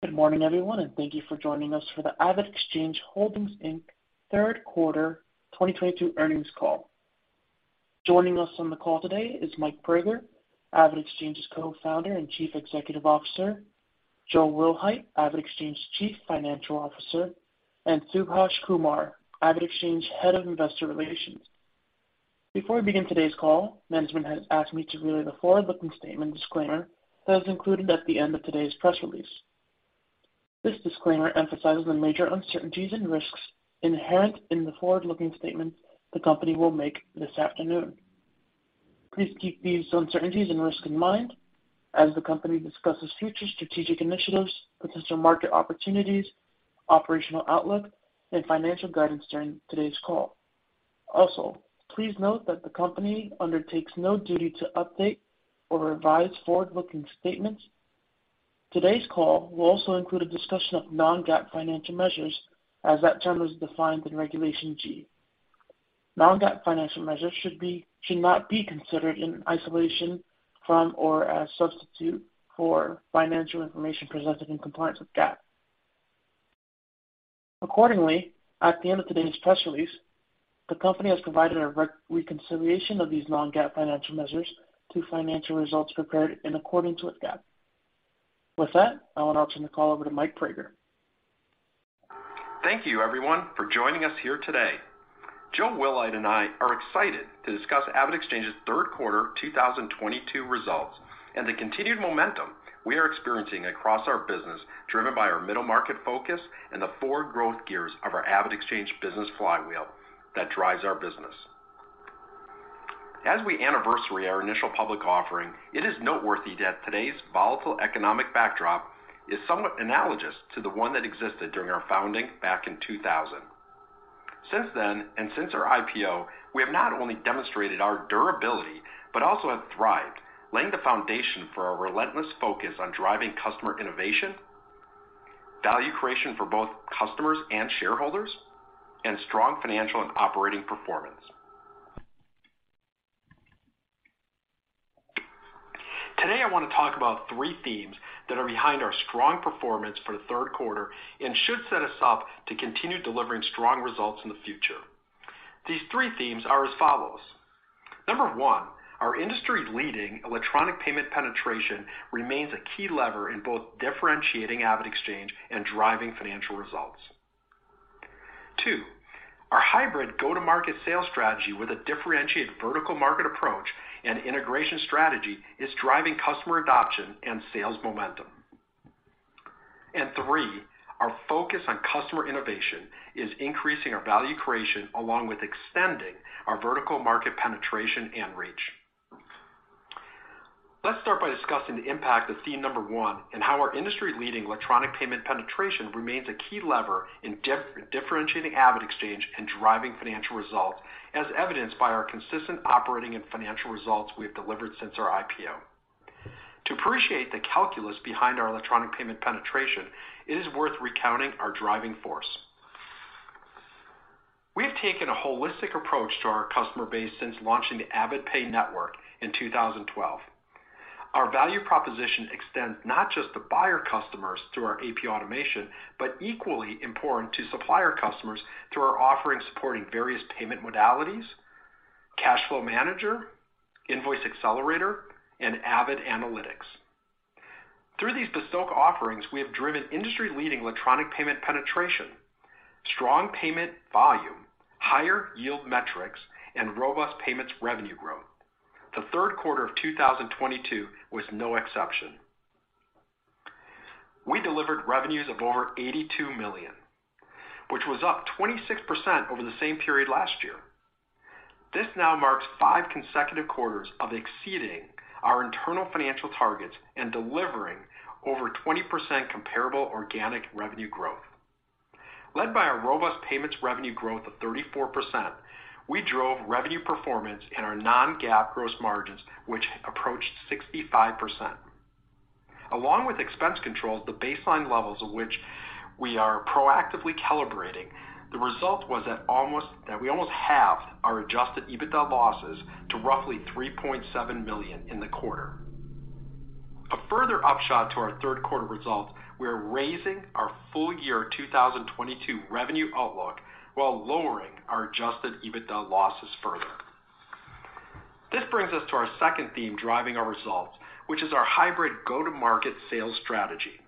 Good morning, everyone, and thank you for joining us for the AvidXchange Holdings, Inc. third quarter 2022 earnings call. Joining us on the call today is Mike Praeger, AvidXchange's co-founder and Chief Executive Officer, Joel Wilhite, AvidXchange Chief Financial Officer, and Subhaash Kumar, AvidXchange Head of Investor Relations. Before we begin today's call, management has asked me to relay the forward-looking statement disclaimer that is included at the end of today's press release. This disclaimer emphasizes the major uncertainties and risks inherent in the forward-looking statements the company will make this afternoon. Please keep these uncertainties and risks in mind as the company discusses future strategic initiatives, potential market opportunities, operational outlook, and financial guidance during today's call. Please note that the company undertakes no duty to update or revise forward-looking statements. Today's call will also include a discussion of Non-GAAP financial measures as that term is defined in Regulation G. Non-GAAP financial measures should not be considered in isolation from or as substitute for financial information presented in compliance with GAAP. Accordingly, at the end of today's press release, the company has provided a reconciliation of these Non-GAAP financial measures to financial results prepared in accordance with GAAP. With that, I want to turn the call over to Mike Praeger. Thank you everyone for joining us here today. Joel Wilhite and I are excited to discuss AvidXchange's third quarter 2022 results and the continued momentum we are experiencing across our business, driven by our middle market focus and the four growth gears of our AvidXchange business flywheel that drives our business. As we anniversary our initial public offering, it is noteworthy that today's volatile economic backdrop is somewhat analogous to the one that existed during our founding back in 2000. Since then, and since our IPO, we have not only demonstrated our durability, but also have thrived, laying the foundation for our relentless focus on driving customer innovation, value creation for both customers and shareholders, and strong financial and operating performance. Today, I want to talk about three themes that are behind our strong performance for the third quarter and should set us up to continue delivering strong results in the future. These three themes are as follows. Number one, our industry-leading electronic payment penetration remains a key lever in both differentiating AvidXchange and driving financial results. Two, our hybrid go-to-market sales strategy with a differentiated vertical market approach and integration strategy is driving customer adoption and sales momentum. Three, our focus on customer innovation is increasing our value creation along with extending our vertical market penetration and reach. Let's start by discussing the impact of theme number one and how our industry-leading electronic payment penetration remains a key lever in differentiating AvidXchange and driving financial results, as evidenced by our consistent operating and financial results we have delivered since our IPO. To appreciate the calculus behind our electronic payment penetration, it is worth recounting our driving force. We have taken a holistic approach to our customer base since launching the AvidPay Network in 2012. Our value proposition extends not just to buyer customers through our AP automation, but equally important to supplier customers through our offering supporting various payment modalities, Cash Flow Manager, Invoice Accelerator, and AvidAnalytics. Through these bespoke offerings, we have driven industry-leading electronic payment penetration, strong payment volume, higher yield metrics, and robust payments revenue growth. The third quarter of 2022 was no exception. We delivered revenues of over $82 million, which was up 26% over the same period last year. This now marks five consecutive quarters of exceeding our internal financial targets and delivering over 20% comparable organic revenue growth. Led by our robust payments revenue growth of 34%, we drove revenue performance in our Non-GAAP gross margins, which approached 65%. Along with expense controls, the baseline levels of which we are proactively calibrating, the result was that we almost halved our Adjusted EBITDA losses to roughly $3.7 million in the quarter. A further upshot to our third quarter results, we are raising our full year 2022 revenue outlook while lowering our Adjusted EBITDA losses further. This brings us to our second theme driving our results, which is our hybrid go-to-market sales strategy.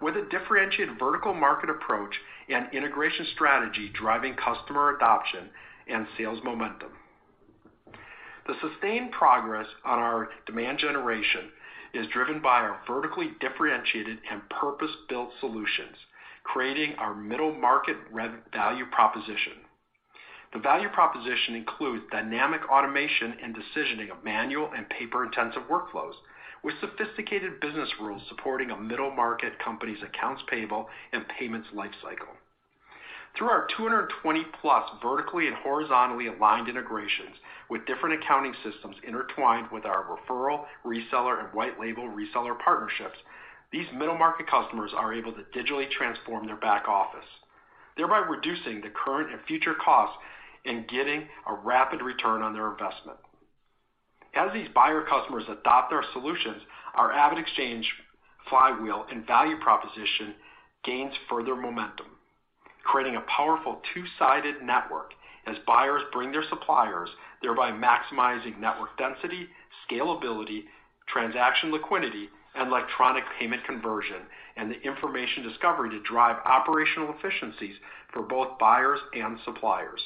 With a differentiated vertical market approach and integration strategy driving customer adoption and sales momentum. The sustained progress on our demand generation is driven by our vertically differentiated and purpose-built solutions, creating our middle market rev value proposition. The value proposition includes dynamic automation and decisioning of manual and paper-intensive workflows with sophisticated business rules supporting a middle market company's accounts payable and payments lifecycle. Through our 220+ vertically and horizontally aligned integrations with different accounting systems intertwined with our referral, reseller, and white label reseller partnerships, these middle market customers are able to digitally transform their back office, thereby reducing the current and future costs and getting a rapid return on their investment. As these buyer customers adopt our solutions, our AvidXchange flywheel and value proposition gains further momentum, creating a powerful two-sided network as buyers bring their suppliers, thereby maximizing network density, scalability, transaction liquidity, and electronic payment conversion, and the information discovery to drive operational efficiencies for both buyers and suppliers.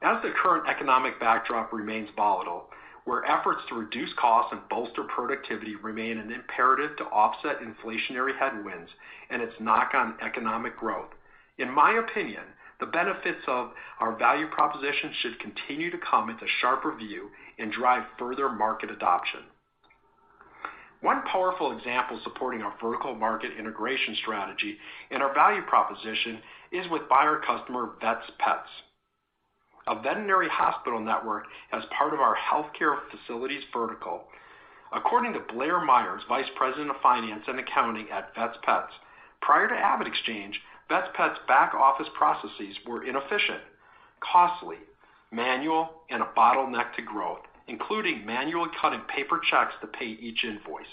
As the current economic backdrop remains volatile, where efforts to reduce costs and bolster productivity remain an imperative to offset inflationary headwinds and its knock on economic growth, in my opinion, the benefits of our value proposition should continue to come into sharper view and drive further market adoption. One powerful example supporting our vertical market integration strategy and our value proposition is with buyer customer Vets Pets, a veterinary hospital network as part of our healthcare facilities vertical. According to Blair Myers, Vice President of Finance and Accounting at Vets Pets, prior to AvidXchange, Vets Pets back office processes were inefficient, costly, manual, and a bottleneck to growth, including manually cutting paper checks to pay each invoice.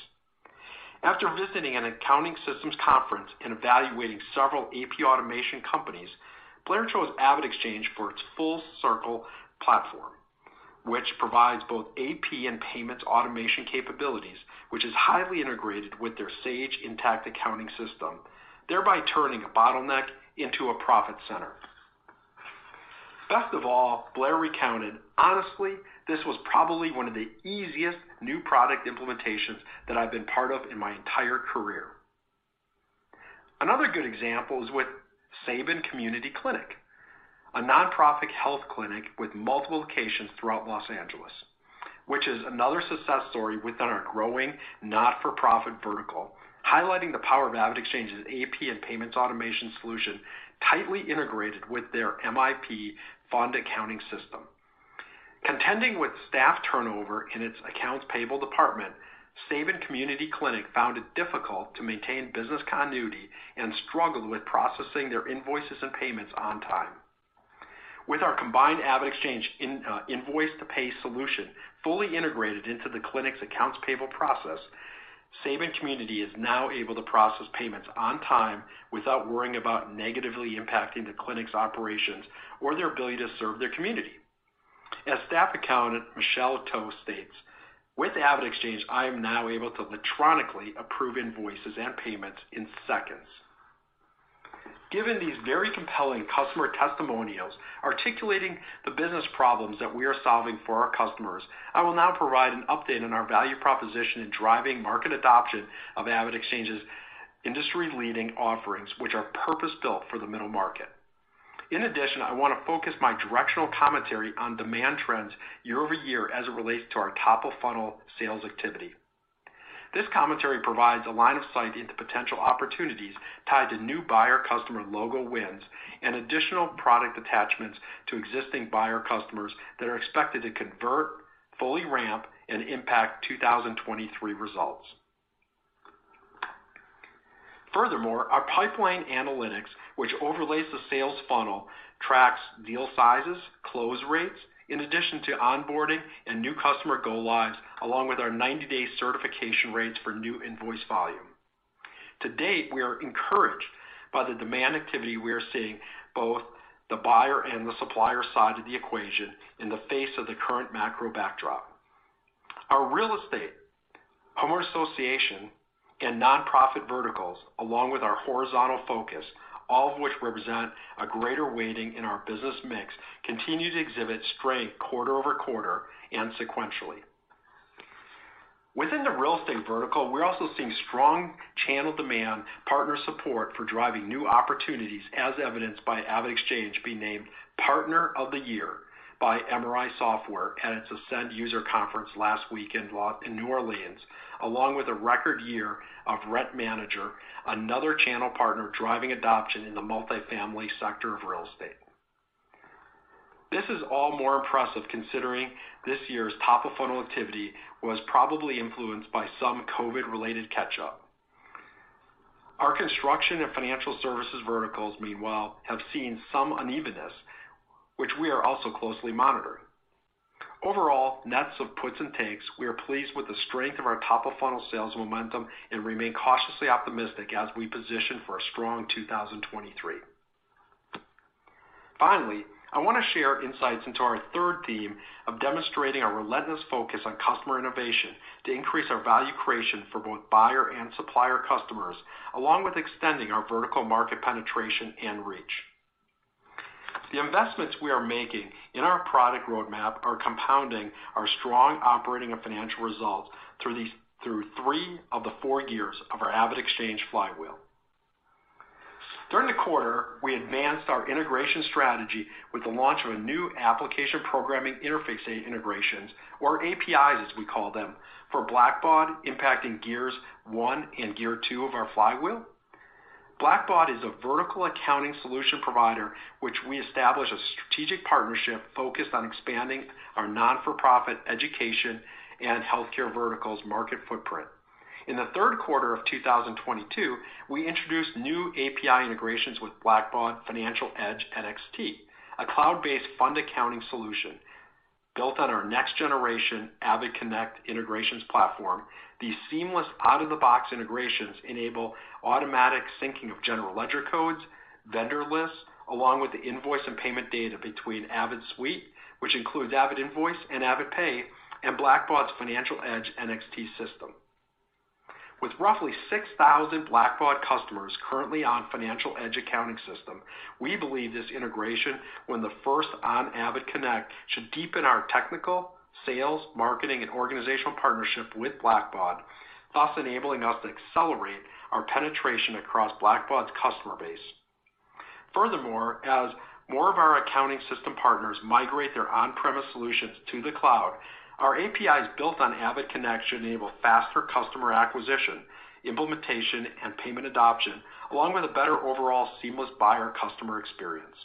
After visiting an accounting systems conference and evaluating several AP automation companies, Blair chose AvidXchange for its full circle platform, which provides both AP and payments automation capabilities, which is highly integrated with their Sage Intacct accounting system, thereby turning a bottleneck into a profit center. Best of all, Blair recounted, "Honestly, this was probably one of the easiest new product implementations that I've been part of in my entire career." Another good example is with Saban Community Clinic, a nonprofit health clinic with multiple locations throughout Los Angeles, which is another success story within our growing not-for-profit vertical, highlighting the power of AvidXchange's AP and payments automation solution tightly integrated with their MIP Fund Accounting system. Contending with staff turnover in its accounts payable department, Saban Community Clinic found it difficult to maintain business continuity and struggled with processing their invoices and payments on time. With our combined AvidXchange invoice to pay solution fully integrated into the clinic's accounts payable process, Saban Community Clinic is now able to process payments on time without worrying about negatively impacting the clinic's operations or their ability to serve their community. As Staff Accountant Michelle To states, "With AvidXchange, I am now able to electronically approve invoices and payments in seconds." Given these very compelling customer testimonials articulating the business problems that we are solving for our customers, I will now provide an update on our value proposition in driving market adoption of AvidXchange's industry-leading offerings, which are purpose-built for the middle market. In addition, I want to focus my directional commentary on demand trends year-over-year as it relates to our top-of-funnel sales activity. This commentary provides a line of sight into potential opportunities tied to new buyer customer logo wins and additional product attachments to existing buyer customers that are expected to convert, fully ramp, and impact 2023 results. Furthermore, our pipeline analytics, which overlays the sales funnel, tracks deal sizes, close rates, in addition to onboarding and new customer go lives, along with our 90-day certification rates for new invoice volume. To date, we are encouraged by the demand activity we are seeing both the buyer and the supplier side of the equation in the face of the current macro backdrop. Our real estate, home association, and nonprofit verticals, along with our horizontal focus, all of which represent a greater weighting in our business mix, continue to exhibit strength quarter-over-quarter and sequentially. Within the real estate vertical, we're also seeing strong channel demand partner support for driving new opportunities as evidenced by AvidXchange being named Partner of the Year by MRI Software at its Ascend user conference last week in New Orleans, along with a record year of Rent Manager, another channel partner driving adoption in the multifamily sector of real estate. This is all more impressive considering this year's top-of-funnel activity was probably influenced by some COVID-related catch-up. Our construction and financial services verticals, meanwhile, have seen some unevenness, which we are also closely monitoring. Overall, nets of puts and takes, we are pleased with the strength of our top-of-funnel sales momentum and remain cautiously optimistic as we position for a strong 2023. Finally, I want to share insights into our third theme of demonstrating our relentless focus on customer innovation to increase our value creation for both buyer and supplier customers, along with extending our vertical market penetration and reach. The investments we are making in our product roadmap are compounding our strong operating and financial results through three of the four gears of our AvidXchange flywheel. During the quarter, we advanced our integration strategy with the launch of a new application programming interface integrations, or APIs as we call them, for Blackbaud, impacting gears one and gear two of our flywheel. Blackbaud is a vertical accounting solution provider, which we established a strategic partnership focused on expanding our nonprofit education and healthcare verticals market footprint. In the third quarter of 2022, we introduced new API integrations with Blackbaud Financial Edge NXT, a cloud-based fund accounting solution. Built on our next generation AvidConnect integrations platform, these seamless out-of-the-box integrations enable automatic syncing of general ledger codes, vendor lists, along with the invoice and payment data between AvidSuite, which includes AvidInvoice and AvidPay, and Blackbaud's Financial Edge NXT system. With roughly 6,000 Blackbaud customers currently on Financial Edge accounting system, we believe this integration, when the first on AvidConnect, should deepen our technical sales, marketing, and organizational partnership with Blackbaud, thus enabling us to accelerate our penetration across Blackbaud's customer base. Furthermore, as more of our accounting system partners migrate their on-premise solutions to the cloud, our APIs built on AvidConnect should enable faster customer acquisition, implementation, and payment adoption, along with a better overall seamless buyer customer experience.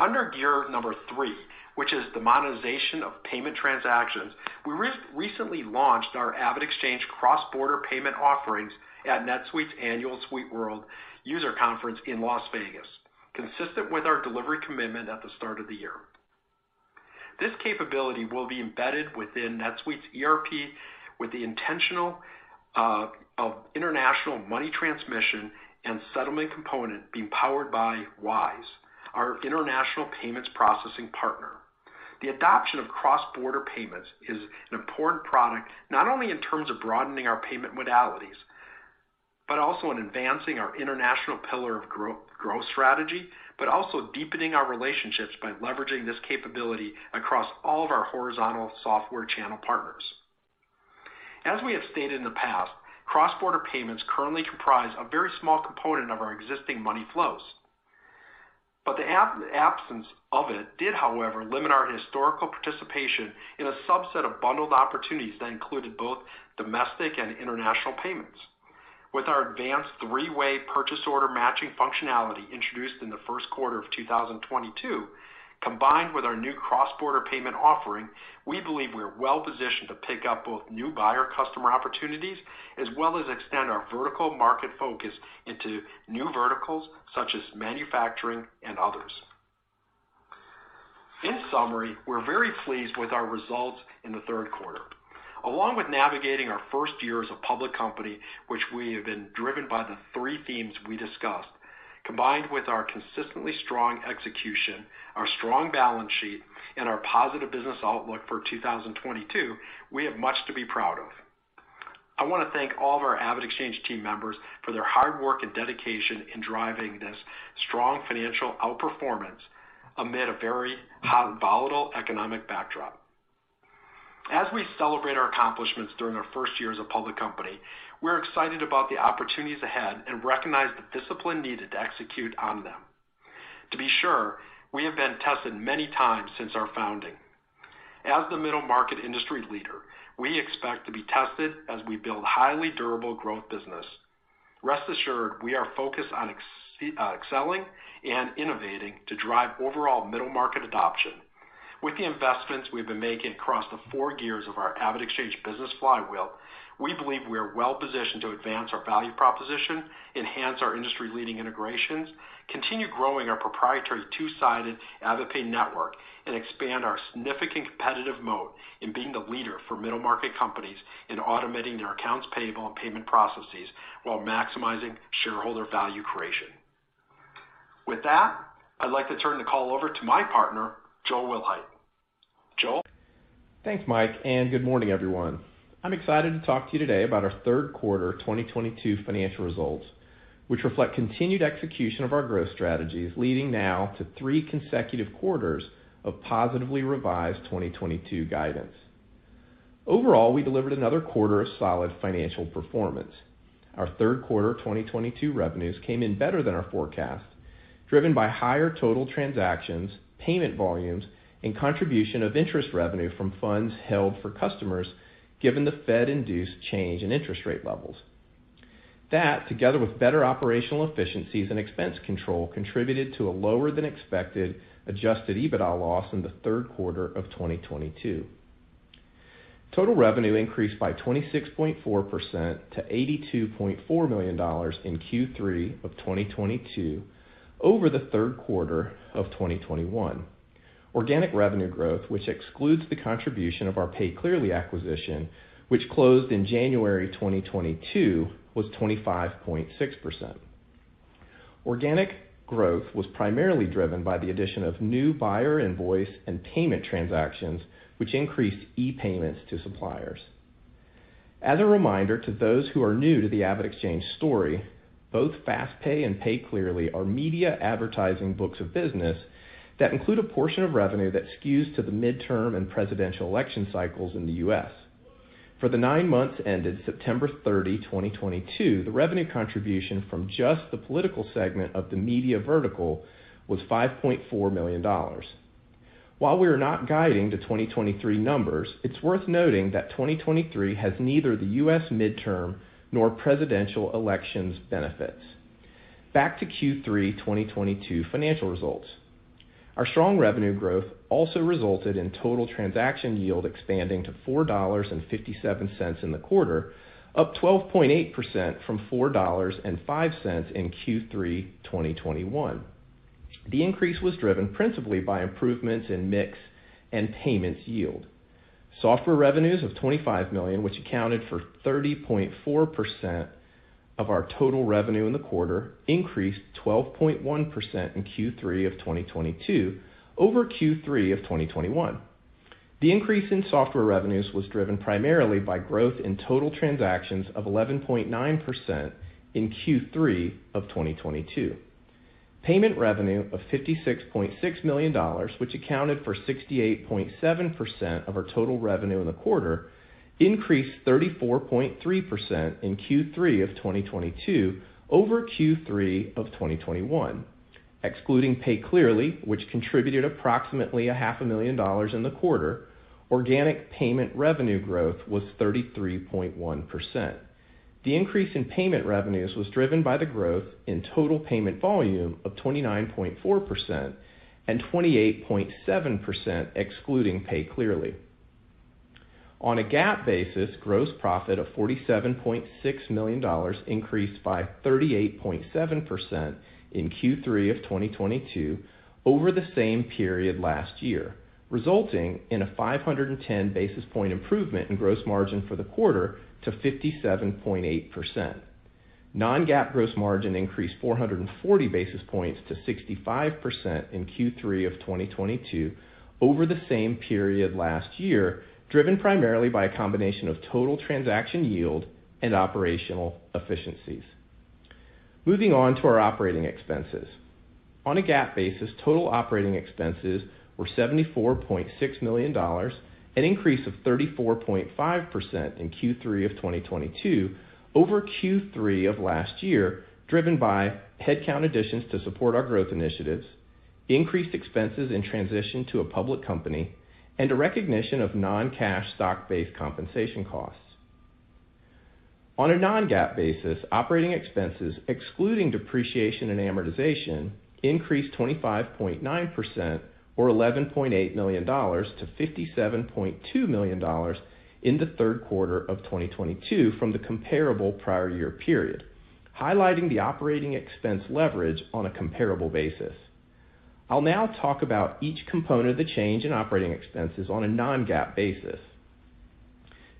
Under gear number three, which is the monetization of payment transactions, we recently launched our AvidXchange cross-border payment offerings at NetSuite's annual SuiteWorld User Conference in Las Vegas, consistent with our delivery commitment at the start of the year. This capability will be embedded within NetSuite's ERP with the intention of international money transmission and settlement component being powered by Wise, our international payments processing partner. The adoption of cross-border payments is an important product, not only in terms of broadening our payment modalities, but also in advancing our international pillar of growth strategy, but also deepening our relationships by leveraging this capability across all of our horizontal software channel partners. As we have stated in the past, cross-border payments currently comprise a very small component of our existing money flows. The absence of it did, however, limit our historical participation in a subset of bundled opportunities that included both domestic and international payments. With our advanced three-way purchase order matching functionality introduced in the first quarter of 2022, combined with our new cross-border payment offering, we believe we are well positioned to pick up both new buyer customer opportunities, as well as extend our vertical market focus into new verticals such as manufacturing and others. In summary, we're very pleased with our results in the third quarter. Along with navigating our first year as a public company, which we have been driven by the three themes we discussed, combined with our consistently strong execution, our strong balance sheet, and our positive business outlook for 2022, we have much to be proud of. I wanna thank all of our AvidXchange team members for their hard work and dedication in driving this strong financial outperformance amid a very volatile economic backdrop. As we celebrate our accomplishments during our first year as a public company, we're excited about the opportunities ahead and recognize the discipline needed to execute on them. To be sure, we have been tested many times since our founding. As the middle market industry leader, we expect to be tested as we build highly durable growth business. Rest assured, we are focused on excelling and innovating to drive overall middle market adoption. With the investments we've been making across the four gears of our AvidXchange business flywheel, we believe we are well positioned to advance our value proposition, enhance our industry-leading integrations, continue growing our proprietary two-sided AvidPay network, and expand our significant competitive moat in being the leader for middle market companies in automating their accounts payable and payment processes while maximizing shareholder value creation. With that, I'd like to turn the call over to my partner, Joel Wilhite. Joel? Thanks, Mike, and good morning, everyone. I'm excited to talk to you today about our third quarter 2022 financial results, which reflect continued execution of our growth strategies, leading now to three consecutive quarters of positively revised 2022 guidance. Overall, we delivered another quarter of solid financial performance. Our third quarter of 2022 revenues came in better than our forecast, driven by higher total transactions, payment volumes, and contribution of interest revenue from funds held for customers, given the Fed-induced change in interest rate levels. That, together with better operational efficiencies and expense control, contributed to a lower than expected Adjusted EBITDA loss in the third quarter of 2022. Total revenue increased by 26.4% to $82.4 million in Q3 of 2022 over the third quarter of 2021. Organic revenue growth, which excludes the contribution of our PayClearly acquisition, which closed in January 2022, was 25.6%. Organic growth was primarily driven by the addition of new buyer invoice and payment transactions, which increased e-payments to suppliers. As a reminder to those who are new to the AvidXchange story, both FastPay and PayClearly are media advertising books of business that include a portion of revenue that skews to the midterm and presidential election cycles in the U.S. For the nine months ended September 30, 2022, the revenue contribution from just the political segment of the media vertical was $5.4 million. While we are not guiding the 2023 numbers, it's worth noting that 2023 has neither the U.S. midterm nor presidential elections benefits. Back to Q3 2022 financial results. Our strong revenue growth also resulted in total transaction yield expanding to $4.57 in the quarter, up 12.8% from $4.05 in Q3 2021. The increase was driven principally by improvements in mix and payments yield. Software revenues of $25 million, which accounted for 30.4% of our total revenue in the quarter, increased 12.1% in Q3 of 2022 over Q3 of 2021. The increase in software revenues was driven primarily by growth in total transactions of 11.9% in Q3 of 2022. Payment revenue of $56.6 million, which accounted for 68.7% of our total revenue in the quarter, increased 34.3% in Q3 of 2022 over Q3 of 2021. Excluding PayClearly, which contributed approximately half a million dollars in the quarter, organic payment revenue growth was 33.1%. The increase in payment revenues was driven by the growth in total payment volume of 29.4% and 28.7% excluding PayClearly. On a GAAP basis, gross profit of $47.6 million increased by 38.7% in Q3 of 2022 over the same period last year, resulting in a 510 basis point improvement in gross margin for the quarter to 57.8%. Non-GAAP gross margin increased 440 basis points to 65% in Q3 of 2022 over the same period last year, driven primarily by a combination of total transaction yield and operational efficiencies. Moving on to our operating expenses. On a GAAP basis, total operating expenses were $74.6 million, an increase of 34.5% in Q3 of 2022 over Q3 of last year, driven by headcount additions to support our growth initiatives, increased expenses in transition to a public company, and a recognition of non-cash stock-based compensation costs. On a Non-GAAP basis, operating expenses excluding depreciation and amortization increased 25.9% or $11.8 million to $57.2 million in the third quarter of 2022 from the comparable prior year period, highlighting the operating expense leverage on a comparable basis. I'll now talk about each component of the change in operating expenses on a Non-GAAP basis.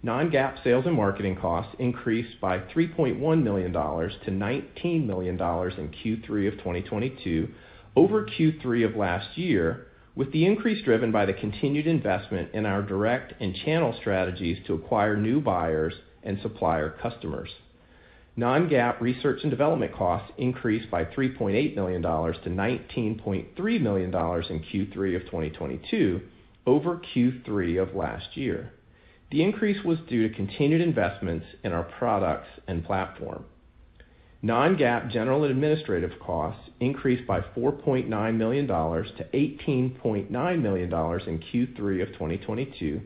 Non-GAAP sales and marketing costs increased by $3.1 million to $19 million in Q3 of 2022 over Q3 of last year, with the increase driven by the continued investment in our direct and channel strategies to acquire new buyers and supplier customers. Non-GAAP research and development costs increased by $3.8 million to $19.3 million in Q3 of 2022 over Q3 of last year. The increase was due to continued investments in our products and platform. Non-GAAP general and administrative costs increased by $4.9 million to $18.9 million in Q3 of 2022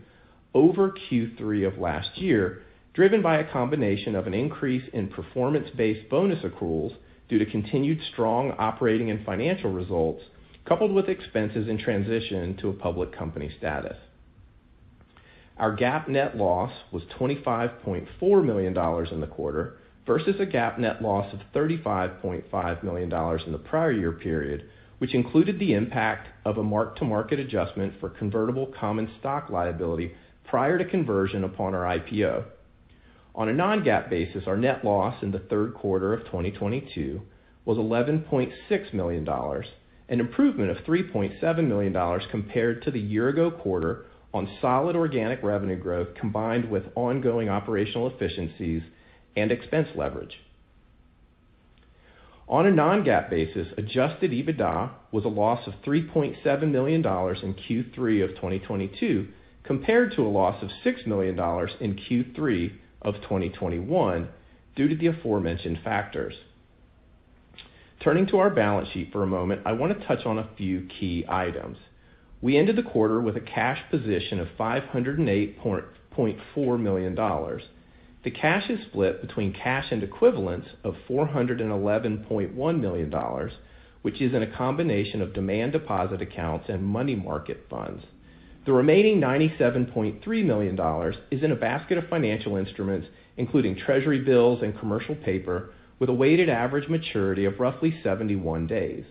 over Q3 of last year, driven by a combination of an increase in performance-based bonus accruals due to continued strong operating and financial results, coupled with expenses in transition to a public company status. Our GAAP net loss was $25.4 million in the quarter versus a GAAP net loss of $35.5 million in the prior year period, which included the impact of a mark-to-market adjustment for convertible common stock liability prior to conversion upon our IPO. On a Non-GAAP basis, our net loss in the third quarter of 2022 was $11.6 million, an improvement of $3.7 million compared to the year ago quarter on solid organic revenue growth combined with ongoing operational efficiencies and expense leverage. On a Non-GAAP basis, Adjusted EBITDA was a loss of $3.7 million in Q3 of 2022 compared to a loss of $6 million in Q3 of 2021 due to the aforementioned factors. Turning to our balance sheet for a moment, I wanna touch on a few key items. We ended the quarter with a cash position of $508.4 million. The cash is split between cash and equivalents of $411.1 million, which is in a combination of demand deposit accounts and money market funds. The remaining $97.3 million is in a basket of financial instruments, including treasury bills and commercial paper, with a weighted average maturity of roughly 71 days.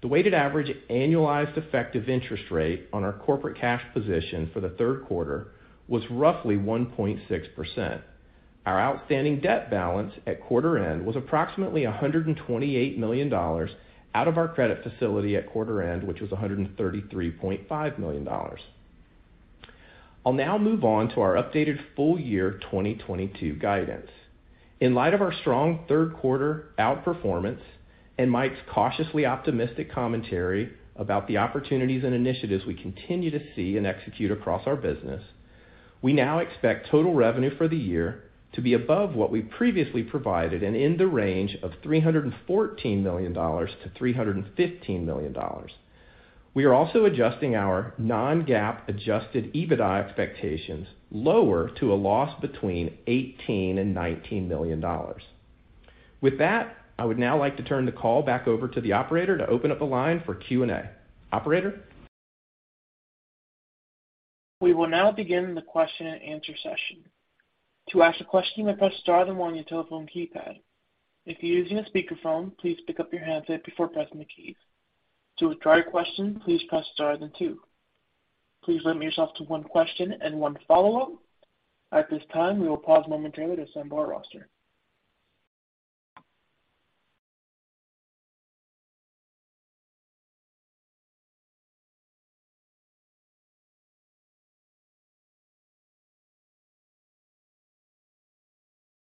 The weighted average annualized effective interest rate on our corporate cash position for the third quarter was roughly 1.6%. Our outstanding debt balance at quarter end was approximately $128 million out of our credit facility at quarter end, which was $133.5 million. I'll now move on to our updated full year 2022 guidance. In light of our strong third quarter outperformance and Mike's cautiously optimistic commentary about the opportunities and initiatives we continue to see and execute across our business, we now expect total revenue for the year to be above what we previously provided and in the range of $314 million-$315 million. We are also adjusting our Non-GAAP Adjusted EBITDA expectations lower to a loss between $18 million and $19 million. With that, I would now like to turn the call back over to the operator to open up a line for Q&A. Operator? We will now begin the question and answer session. To ask a question, press star then one on your telephone keypad. If you're using a speakerphone, please pick up your handset before pressing the keys. To withdraw your question, please press star then two. Please limit yourself to one question and one follow-up. At this time, we will pause momentarily to assemble our roster.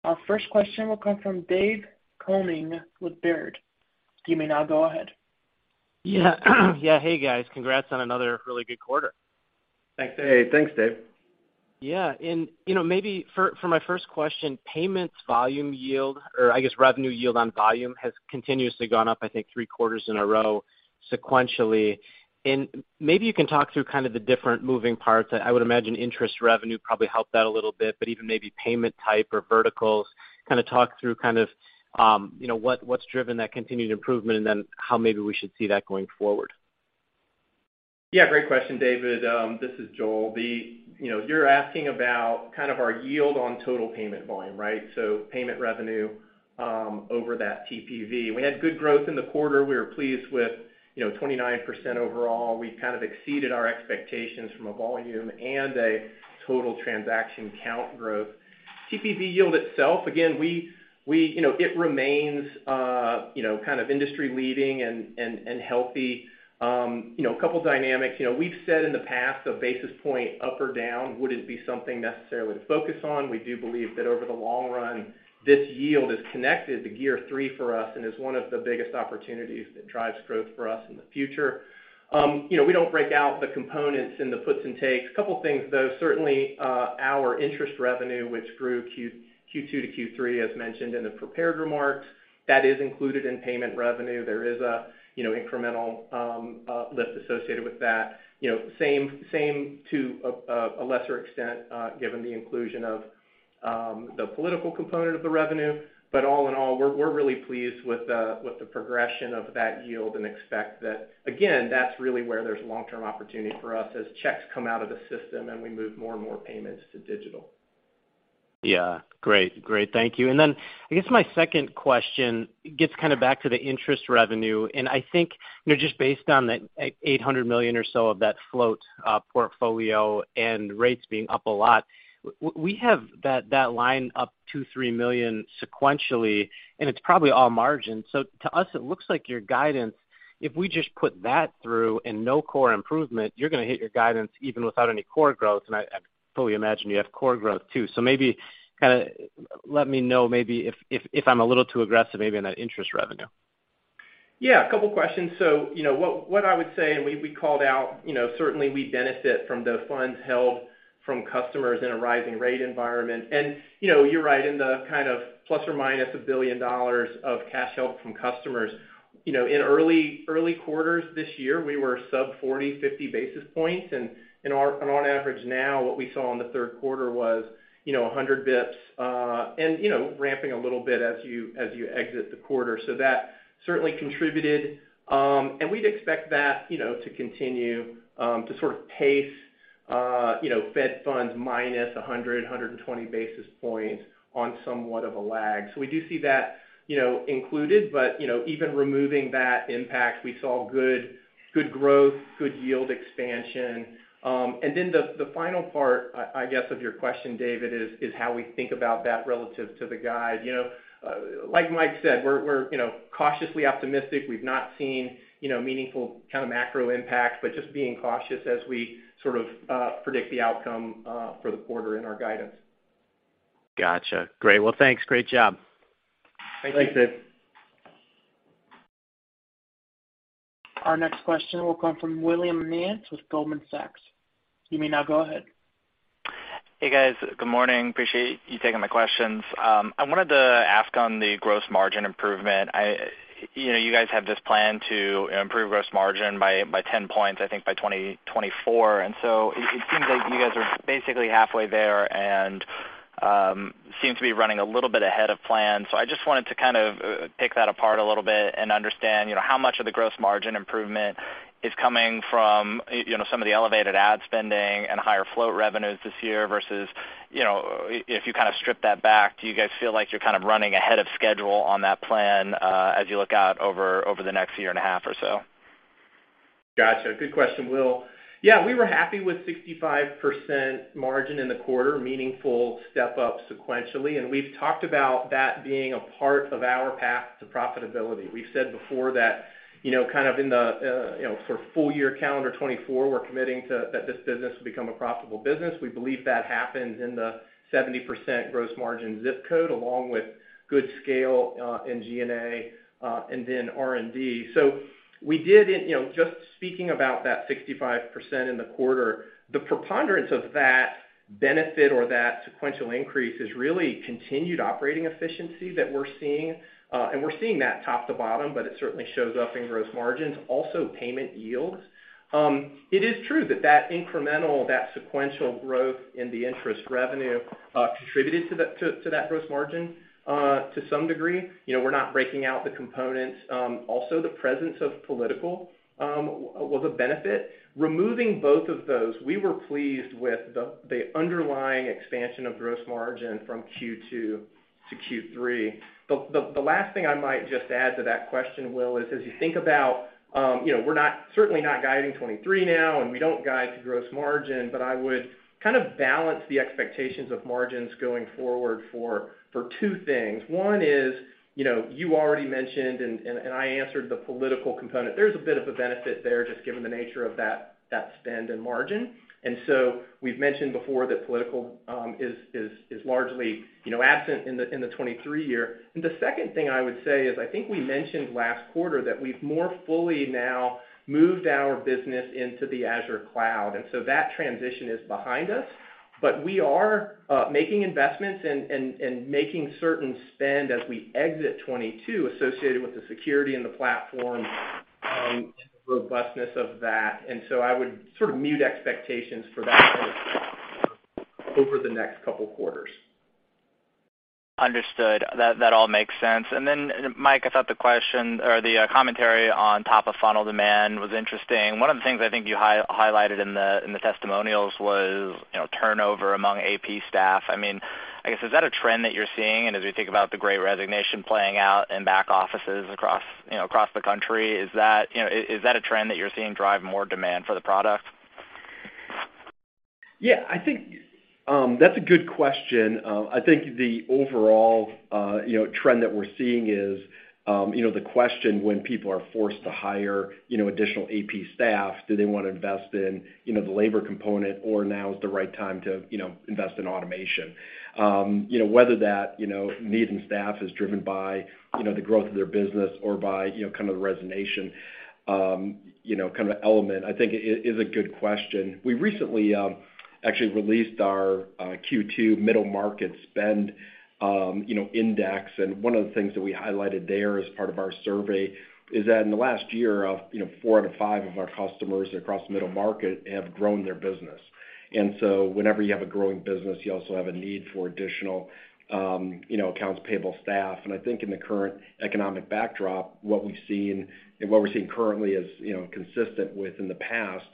Our first question will come from David Koning with Baird. You may now go ahead. Yeah. Hey, guys. Congrats on another really good quarter. Thanks, Dave. Yeah. You know, maybe for my first question, payments volume yield or I guess revenue yield on volume has continuously gone up, I think, three quarters in a row sequentially. Maybe you can talk through kind of the different moving parts. I would imagine interest revenue probably helped that a little bit, but even maybe payment type or verticals kind of talk through kind of, you know, what's driven that continued improvement and then how maybe we should see that going forward. Yeah, great question, Dave. This is Joel. You know, you're asking about kind of our yield on total payment volume, right? So payment revenue over that TPV. We had good growth in the quarter. We were pleased with, you know, 29% overall. We kind of exceeded our expectations from a volume and a total transaction count growth. TPV yield itself, again. You know, it remains, you know, kind of industry-leading and healthy. You know, a couple dynamics. You know, we've said in the past a basis point up or down wouldn't be something necessarily to focus on. We do believe that over the long run, this yield is connected to gear three for us and is one of the biggest opportunities that drives growth for us in the future. You know, we don't break out the components and the puts and takes. A couple things, though. Certainly, our interest revenue, which grew Q2 to Q3, as mentioned in the prepared remarks, that is included in payment revenue. There is a, you know, incremental lift associated with that. You know, same to a lesser extent, given the inclusion of the PayClearly component of the revenue. All in all, we're really pleased with the progression of that yield and expect that, again, that's really where there's long-term opportunity for us as checks come out of the system and we move more and more payments to digital. Great. Thank you. I guess my second question gets kind of back to the interest revenue. I think, you know, just based on the, like, $800 million or so of that float portfolio and rates being up a lot, we have that line up $2-$3 million sequentially, and it's probably all margin. To us, it looks like your guidance, if we just put that through and no core improvement, you're gonna hit your guidance even without any core growth. I fully imagine you have core growth too. Maybe kind a let me know if I'm a little too aggressive on that interest revenue. Yeah, a couple questions. You know, what I would say, and we called out, you know, certainly we benefit from the funds held from customers in a rising rate environment. You know, you're right in the kind of ± $1 billion of cash held from customers. You know, in early quarters this year, we were sub 40, 50 basis points. On average now, what we saw in the third quarter was, you know, 100 basis points, and, you know, ramping a little bit as you exit the quarter. That certainly contributed. We'd expect that, you know, to continue, to sort of pace, you know, Fed funds minus 100, 120 basis points on somewhat of a lag. We do see that, you know, included. you know, even removing that impact, we saw good growth, good yield expansion. Then the final part, I guess, of your question, David, is how we think about that relative to the guide. You know, like Mike said, we're, you know, cautiously optimistic. We've not seen, you know, meaningful kind of macro impact, but just being cautious as we sort of predict the outcome for the quarter in our guidance. Gotcha. Great. Well, thanks. Great job. Thanks, Dave. Our next question will come from Will Nance with Goldman Sachs. You may now go ahead. Hey, guys. Good morning. Appreciate you taking my questions. I wanted to ask on the gross margin improvement. You know, you guys have this plan to improve gross margin by 10 points, I think, by 2024. It seems like you guys are basically halfway there and seem to be running a little bit ahead of plan. I just wanted to kind of pick that apart a little bit and understand, you know, how much of the gross margin improvement is coming from, you know, some of the elevated ad spending and higher float revenues this year versus, you know, if you kind of strip that back, do you guys feel like you're kind of running ahead of schedule on that plan, as you look out over the next year and a half or so? Gotcha. Good question, Will. Yeah, we were happy with 65% margin in the quarter, meaningful step-up sequentially. We've talked about that being a part of our path to profitability. We've said before that, you know, kind of in the, you know, for full year calendar 2024, we're committing that this business will become a profitable business. We believe that happens in the 70% gross margin ZIP code, along with good scale in G&A and then R&D. We did, you know, just speaking about that 65% in the quarter, the preponderance of that benefit of that sequential increase is really continued operating efficiency that we're seeing. We're seeing that top to bottom, but it certainly shows up in gross margins, also payment yields. It is true that that incremental sequential growth in the interest revenue contributed to that to that gross margin to some degree. You know, we're not breaking out the components. Also the presence of PayClearly was a benefit. Removing both of those, we were pleased with the underlying expansion of gross margin from Q2 to Q3. The last thing I might just add to that question, Will, is as you think about, you know, we're certainly not guiding 2023 now, and we don't guide to gross margin, but I would kind of balance the expectations of margins going forward for two things. One is, you know, you already mentioned and I answered the political component. There's a bit of a benefit there just given the nature of that spend and margin. We've mentioned before that political is largely, you know, absent in the 2023 year. The second thing I would say is, I think we mentioned last quarter that we've more fully now moved our business into the Azure cloud. That transition is behind us, but we are making investments and making certain spend as we exit 2022 associated with the security and the platform and the robustness of that. I would sort of mute expectations for that over the next couple quarters. Understood. That all makes sense. Then, Mike, I thought the question or the commentary on top of funnel demand was interesting. One of the things I think you highlighted in the testimonials was, you know, turnover among AP staff. I mean, I guess, is that a trend that you're seeing? As we think about the Great Resignation playing out in back offices across, you know, the country, is that a trend that you're seeing drive more demand for the product? Yeah, I think that's a good question. I think the overall, you know, trend that we're seeing is, you know, the question when people are forced to hire, you know, additional AP staff, do they wanna invest in, you know, the labor component or now is the right time to, you know, invest in automation? You know, whether that, you know, need in staff is driven by, you know, the growth of their business or by, you know, kind of the resignation, you know, kind of element, I think it is a good question. We recently actually released our Q2 middle market spend you know index, and one of the things that we highlighted there as part of our survey is that in the last year you know four out of five of our customers across the middle market have grown their business. Whenever you have a growing business, you also have a need for additional you know accounts payable staff. I think in the current economic backdrop, what we've seen, and what we're seeing currently is you know consistent with in the past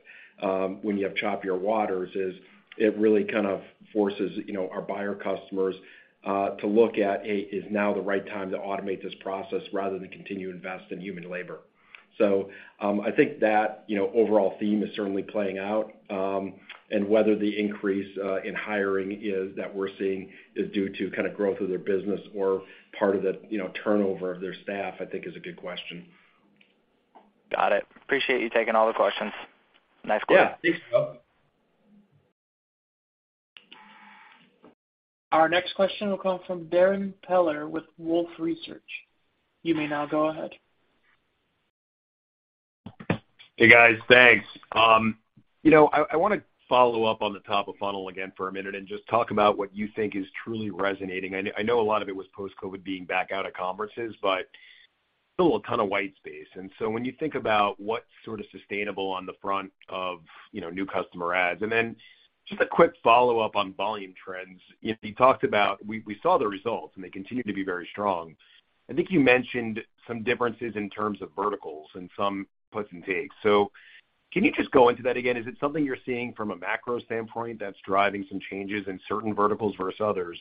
when you have choppier waters, is it really kind of forces you know our buyer customers to look at is now the right time to automate this process rather than continue to invest in human labor. I think that you know overall theme is certainly playing out. Whether the increase in hiring is that we're seeing is due to kind of growth of their business or part of the, you know, turnover of their staff, I think is a good question. Got it. Appreciate you taking all the questions. Nice quarter. Yeah. Thanks, Will. Our next question will come from Darrin Peller with Wolfe Research. You may now go ahead. Hey, guys. Thanks. You know, I wanna follow up on the top of funnel again for a minute and just talk about what you think is truly resonating. I know a lot of it was post-COVID being back out at conferences, but still a ton of white space. When you think about what's sorta sustainable on the front of, you know, new customer adds. Just a quick follow-up on volume trends. You talked about. We saw the results and they continue to be very strong. I think you mentioned some differences in terms of verticals and some puts and takes. Can you just go into that again? Is it something you're seeing from a macro standpoint that's driving some changes in certain verticals versus others?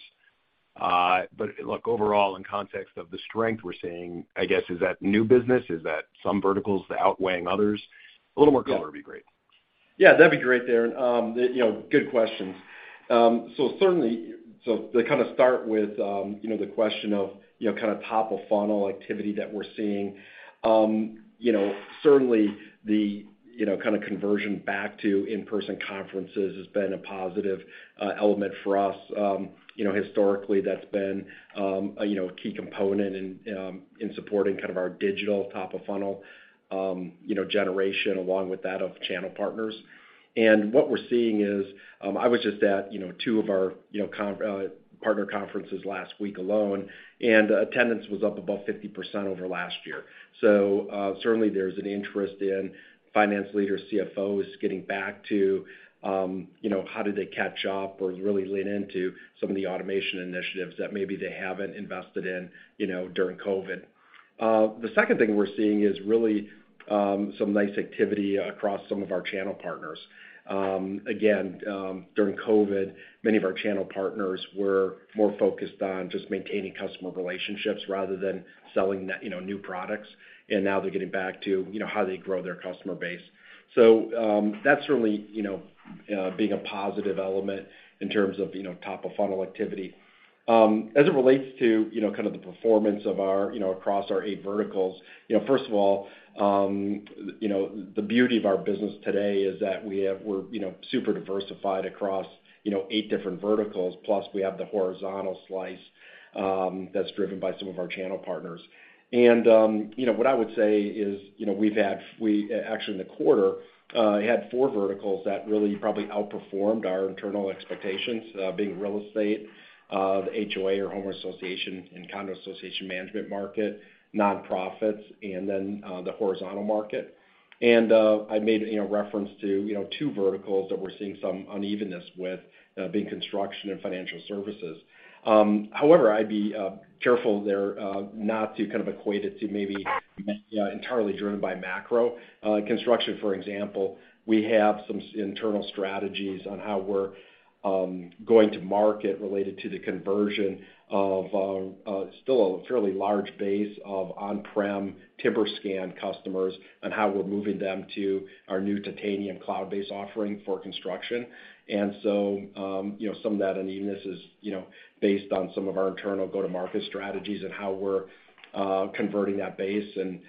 Look, overall, in context of the strength we're seeing, I guess, is that new business? Is that some verticals outweighing others? A little more color would be great. Yeah. That'd be great, Darrin. You know, good questions. So certainly to kinda start with, you know, the question of, you know, kinda top of funnel activity that we're seeing. You know, certainly the, you know, kinda conversion back to in-person conferences has been a positive element for us. You know, historically, that's been, you know, a key component in supporting kind of our digital top of funnel, you know, generation along with that of channel partners. What we're seeing is, I was just at, you know, two of our, you know, partner conferences last week alone, and attendance was up above 50% over last year. Certainly there's an interest in finance leaders, CFOs getting back to, you know, how do they catch up or really lean into some of the automation initiatives that maybe they haven't invested in, you know, during COVID. The second thing we're seeing is really some nice activity across some of our channel partners. Again, during COVID, many of our channel partners were more focused on just maintaining customer relationships rather than selling, you know, new products. Now they're getting back to, you know, how they grow their customer base. That's certainly, you know, being a positive element in terms of, you know, top-of-funnel activity. As it relates to, you know, kind of the performance of our, you know, across our eight verticals, you know, first of all, you know, the beauty of our business today is that we're, you know, super diversified across, you know, eight different verticals, plus we have the horizontal slice that's driven by some of our channel partners. You know, what I would say is, you know, we actually in the quarter had four verticals that really probably outperformed our internal expectations, being real estate, the HOA or home association and condo association management market, nonprofits, and then the horizontal market. I made, you know, reference to, you know, two verticals that we're seeing some unevenness with, being construction and financial services. However, I'd be careful there, not to kind of equate it to maybe, yeah, entirely driven by macro. Construction, for example, we have some internal strategies on how we're going to market related to the conversion of still a fairly large base of on-premise TimberScan customers and how we're moving them to our new TimberScan Titanium cloud-based offering for construction. You know, some of that unevenness is based on some of our internal go-to-market strategies and how we're converting that base and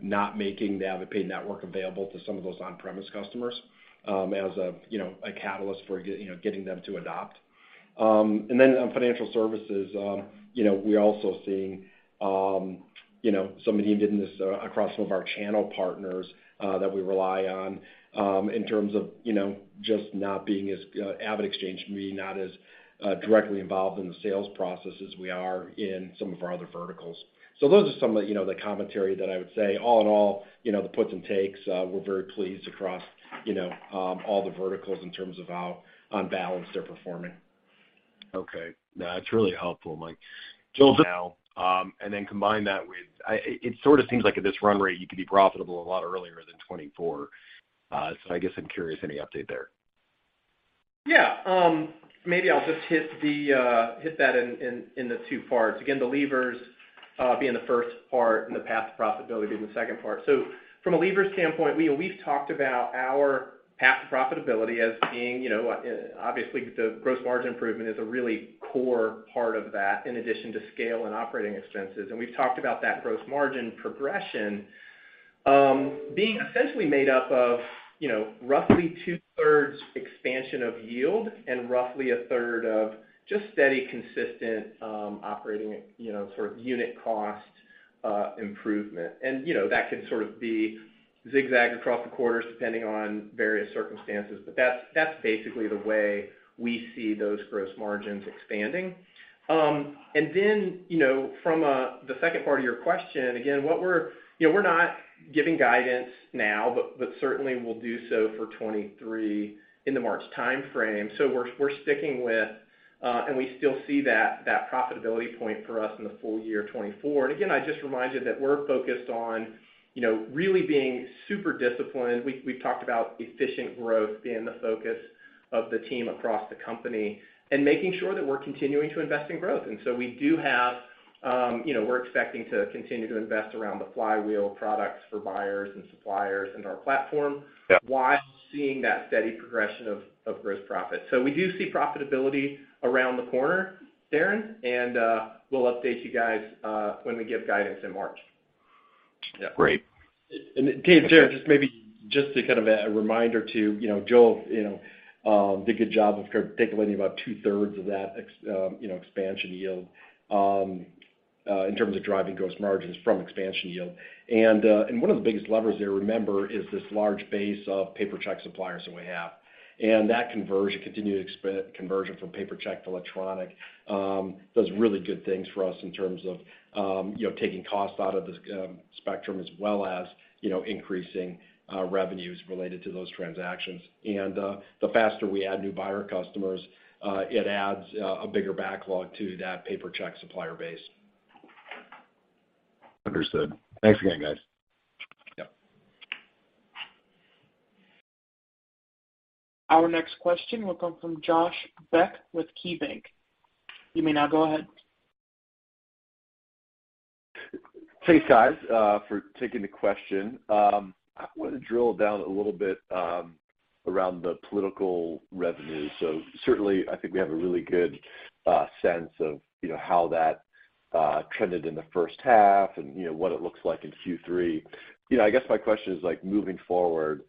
not making the AvidPay Network available to some of those on-premise customers as a catalyst for getting them to adopt. Then on financial services, you know, we're also seeing, you know, some unevenness across some of our channel partners that we rely on, in terms of, you know, just AvidXchange not being as directly involved in the sales process as we are in some of our other verticals. Those are some of the, you know, commentary that I would say. All in all, you know, the puts and takes, we're very pleased across, you know, all the verticals in terms of how, on balance they're performing. Okay. No, it's really helpful, Mike. Joel, and then combine that with. It sort of seems like at this run rate, you could be profitable a lot earlier than 2024. I guess I'm curious, any update there? Yeah. Maybe I'll just hit that in the two parts. Again, the levers being the first part and the path to profitability being the second part. From a lever standpoint, we've talked about our path to profitability as being, you know, obviously, the gross margin improvement is a really core part of that in addition to scale and operating expenses. We've talked about that gross margin progression being essentially made up of, you know, roughly two-thirds expansion of yield and roughly a third of just steady, consistent operating, you know, sort of unit cost improvement. You know, that can sort of be zigzagged across the quarters depending on various circumstances. That's basically the way we see those gross margins expanding. You know, from the second part of your question, again. You know, we're not giving guidance now, but certainly we'll do so for 2023 in the March timeframe. We're sticking with, and we still see that profitability point for us in the full year 2024. Again, I'd just remind you that we're focused on, you know, really being super disciplined. We've talked about efficient growth being the focus of the team across the company and making sure that we're continuing to invest in growth. We do have. You know, we're expecting to continue to invest around the flywheel of products for buyers and suppliers into our platform. Yeah. while seeing that steady progression of gross profit. We do see profitability around the corner, Darren, and we'll update you guys when we give guidance in March. Yeah. Great. Darrin, just maybe to kind of a reminder too, you know, Joel, you know, did a good job of kind of articulating about two-thirds of that expansion yield in terms of driving gross margins from expansion yield. One of the biggest levers there, remember, is this large base of paper check suppliers that we have. That conversion, continued conversion from paper check to electronic does really good things for us in terms of taking costs out of the spectrum as well as increasing revenues related to those transactions. The faster we add new buyer customers, it adds a bigger backlog to that paper check supplier base. Understood. Thanks again, guys. Yeah. Our next question will come from Josh Beck with KeyBanc Capital Markets. You may now go ahead. Thanks, guys, for taking the question. I wanna drill down a little bit around the political revenue. Certainly I think we have a really good sense of, you know, how that trended in the first half and, you know, what it looks like in Q3. You know, I guess my question is like moving forward,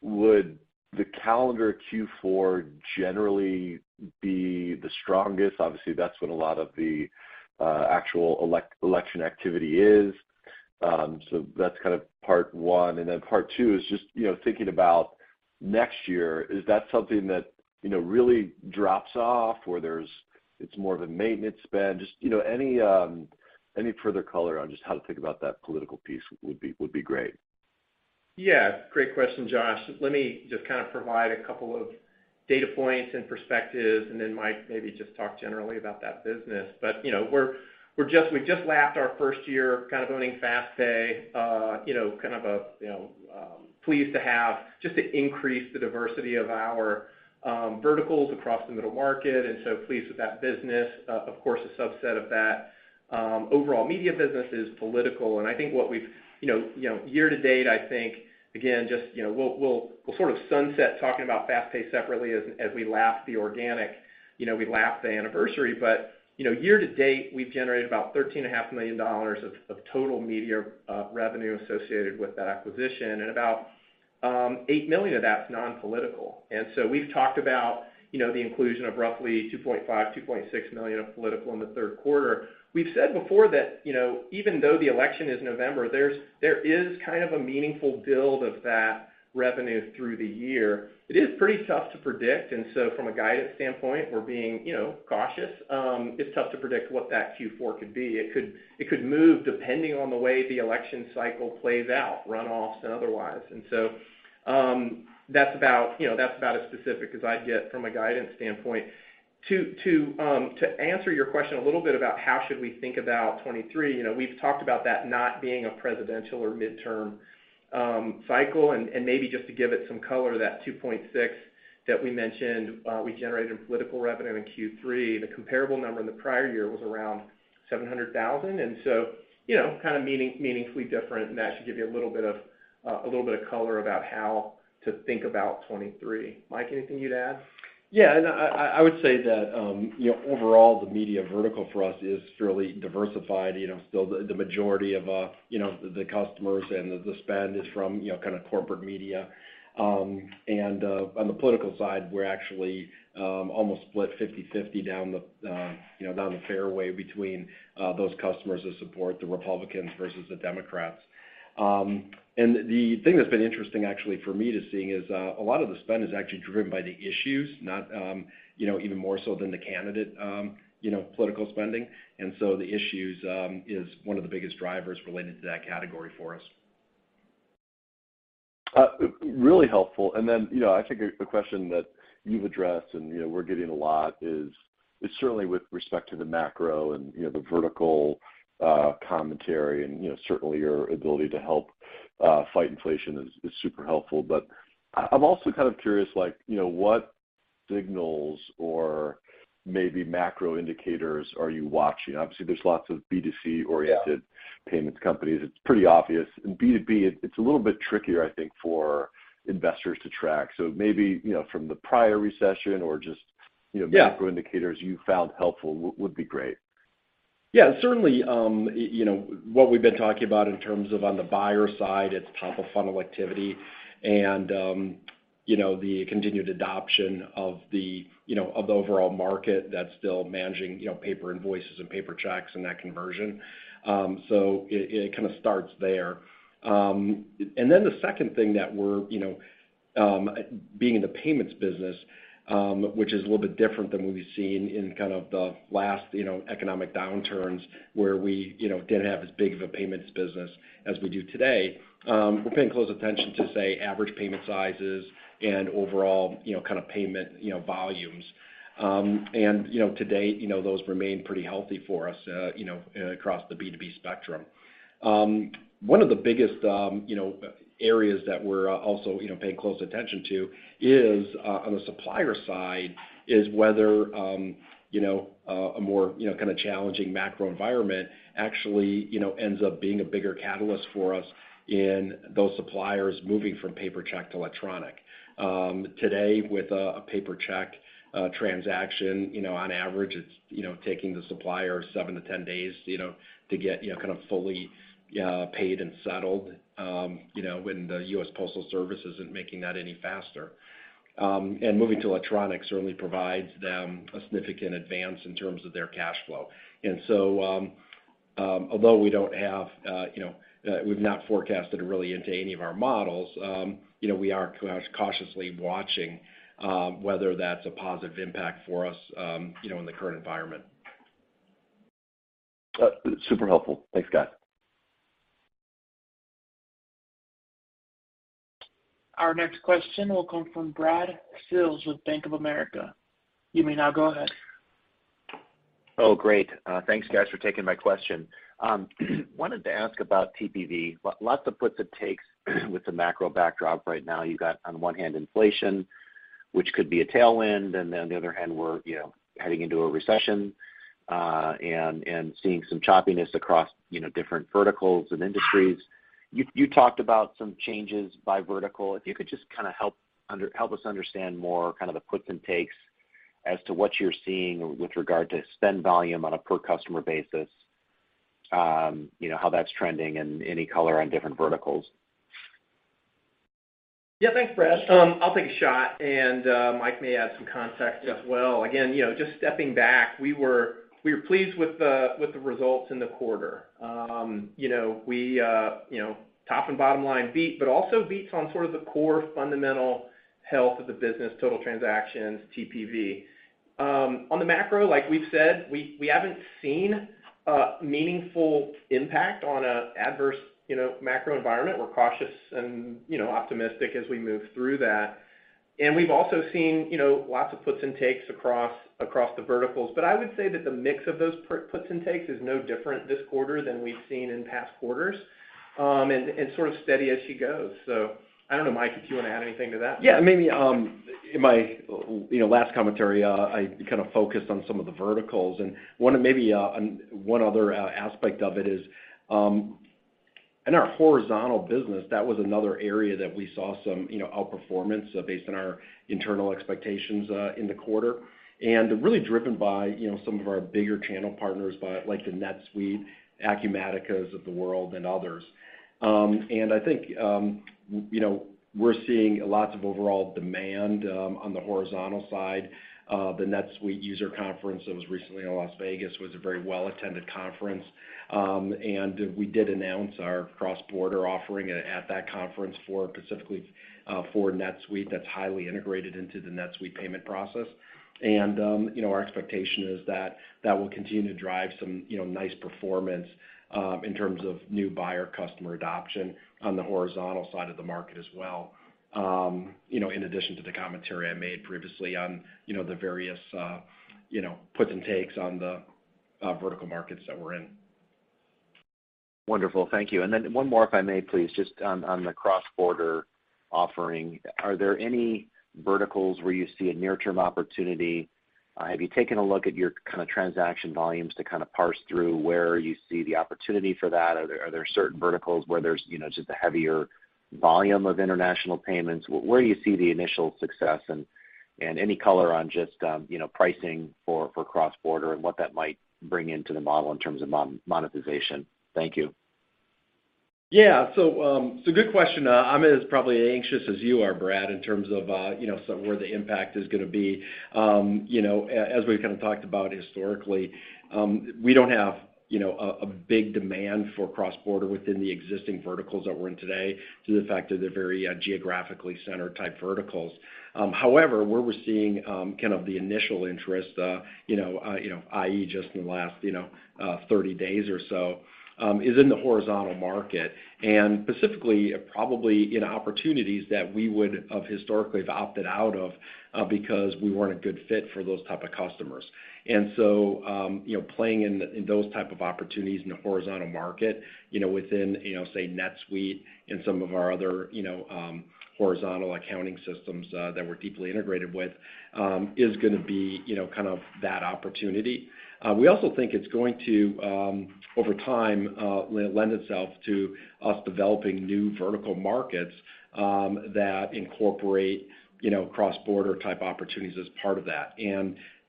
would the calendar Q4 generally be the strongest? Obviously, that's when a lot of the actual election activity is. That's kind of part one. Part two is just, you know, thinking about next year, is that something that, you know, really drops off, where it's more of a maintenance spend? Just, you know, any further color on just how to think about that political piece would be great. Yeah, great question, Josh. Let me just kind of provide a couple of data points and perspectives, and then Mike maybe just talk generally about that business. You know, we just lapped our first year kind of owning FastPay, you know, kind of pleased to have just increased the diversity of our verticals across the middle market, and so pleased with that business. Of course, a subset of that overall media business is political. You know, year-to-date, I think, again, just, you know, we'll sort of sunset talking about FastPay separately as we lap the organic, you know, we lap the anniversary. You know, year-to-date, we've generated about $13.5 million of total media revenue associated with that acquisition, and about $8 million of that's non-political. We've talked about, you know, the inclusion of roughly $2.5 million-$2.6 million of political in the third quarter. We've said before that, you know, even though the election is November, there is kind of a meaningful build of that revenue through the year. It is pretty tough to predict. From a guidance standpoint, we're being, you know, cautious. It's tough to predict what that Q4 could be. It could move depending on the way the election cycle plays out, runoffs and otherwise. That's about, you know, as specific as I'd get from a guidance standpoint. To answer your question a little bit about how should we think about 2023, you know, we've talked about that not being a presidential or midterm cycle. Maybe just to give it some color, that $2.6 million that we mentioned, we generated in political revenue in Q3, the comparable number in the prior year was around $700,000. You know, kind of meaningfully different, and that should give you a little bit of color about how to think about 2023. Mike, anything you'd add? I would say that, you know, overall, the media vertical for us is fairly diversified. You know, still the majority of, you know, the customers and the spend is from, you know, kind of corporate media. On the political side, we're actually almost split 50/50 down the, you know, down the fairway between those customers that support the Republicans versus the Democrats. The thing that's been interesting actually for me to see is a lot of the spend is actually driven by the issues, not, you know, even more so than the candidate, you know, political spending. The issues is one of the biggest drivers related to that category for us. Really helpful. Then, you know, I think a question that you've addressed and, you know, we're getting a lot is certainly with respect to the macro and, you know, the vertical commentary and, you know, certainly your ability to help fight inflation is super helpful. I'm also kind of curious, like, you know, what signals or maybe macro indicators are you watching? Obviously, there's lots of B2C-oriented- Yeah Payments companies. It's pretty obvious. In B2B, it's a little bit trickier, I think, for investors to track. Maybe, you know, from the prior recession or just, you know. Yeah Macro indicators you found helpful would be great. Yeah, certainly, you know, what we've been talking about in terms of on the buyer side, it's top-of-funnel activity and, you know, the continued adoption of the, you know, of the overall market that's still managing, you know, paper invoices and paper checks and that conversion. It kind of starts there. The second thing that we're, you know, being in the payments business, which is a little bit different than what we've seen in kind of the last, you know, economic downturns where we, you know, didn't have as big of a payments business as we do today. We're paying close attention to, say, average payment sizes and overall, you know, kind of payment, you know, volumes. You know, to date, you know, those remain pretty healthy for us, you know, across the B2B spectrum. One of the biggest, you know, areas that we're also, you know, paying close attention to is on the supplier side, is whether a more, you know, kind of challenging macro environment actually, you know, ends up being a bigger catalyst for us in those suppliers moving from paper check to electronic. Today with a paper check transaction, you know, on average it's, you know, taking the supplier 7-10 days, you know, to get, you know, kind of fully paid and settled, you know, when the U.S. Postal Service isn't making that any faster. Moving to electronic certainly provides them a significant advance in terms of their cash flow. Although we don't have, you know, we've not forecasted it really into any of our models, you know, we are cautiously watching whether that's a positive impact for us, you know, in the current environment. Super helpful. Thanks, guys. Our next question will come from Bradley Sills with Bank of America. You may now go ahead. Oh, great. Thanks, guys, for taking my question. Wanted to ask about TPV. Lots of puts and takes with the macro backdrop right now. You got, on one hand, inflation, which could be a tailwind, and then on the other hand, we're, you know, heading into a recession, and seeing some choppiness across, you know, different verticals and industries. You talked about some changes by vertical. If you could just kinda help us understand more kind of the puts and takes as to what you're seeing with regard to spend volume on a per customer basis, you know, how that's trending and any color on different verticals. Yeah. Thanks, Brad. I'll take a shot, and Mike may add some context as well. Again, you know, just stepping back, we were pleased with the results in the quarter. You know, top and bottom line beat, but also beats on sort of the core fundamental health of the business, total transactions, TPV. On the macro, like we've said, we haven't seen a meaningful impact on an adverse macro environment. We're cautious and optimistic as we move through that. We've also seen lots of puts and takes across the verticals. I would say that the mix of those puts and takes is no different this quarter than we've seen in past quarters, and sort of steady as she goes. I don't know, Mike, if you wanna add anything to that. Yeah, maybe, in my, you know, last commentary, I kind of focused on some of the verticals and one other aspect of it is, in our horizontal business, that was another area that we saw some, you know, outperformance, based on our internal expectations, in the quarter. Really driven by, you know, some of our bigger channel partners like the NetSuite, Acumatica of the world and others. I think, you know, we're seeing lots of overall demand, on the horizontal side. The NetSuite user conference that was recently in Las Vegas was a very well-attended conference. We did announce our cross-border offering at that conference for specifically, for NetSuite that's highly integrated into the NetSuite payment process. You know, our expectation is that that will continue to drive some, you know, nice performance in terms of new buyer customer adoption on the horizontal side of the market as well, you know, in addition to the commentary I made previously on, you know, the various, you know, puts and takes on the vertical markets that we're in. Wonderful. Thank you. One more if I may please, just on the cross-border offering. Are there any verticals where you see a near-term opportunity? Have you taken a look at your kind of transaction volumes to kind of parse through where you see the opportunity for that? Are there certain verticals where there's, you know, just a heavier volume of international payments? Where do you see the initial success? Any color on just, you know, pricing for cross-border and what that might bring into the model in terms of monetization? Thank you. Yeah. Good question. I'm as probably anxious as you are, Brad, in terms of, you know, so where the impact is gonna be. You know, as we've kind of talked about historically, we don't have, you know, a big demand for cross-border within the existing verticals that we're in today, due to the fact that they're very geographically centered type verticals. However, where we're seeing kind of the initial interest, you know, i.e., just in the last 30 days or so, is in the horizontal market. Specifically, probably in opportunities that we would have historically have opted out of, because we weren't a good fit for those type of customers. Playing in those type of opportunities in the horizontal market, you know, within, you know, say, NetSuite and some of our other, you know, horizontal accounting systems that we're deeply integrated with is gonna be, you know, kind of that opportunity. We also think it's going to, over time, lend itself to us developing new vertical markets that incorporate, you know, cross-border type opportunities as part of that.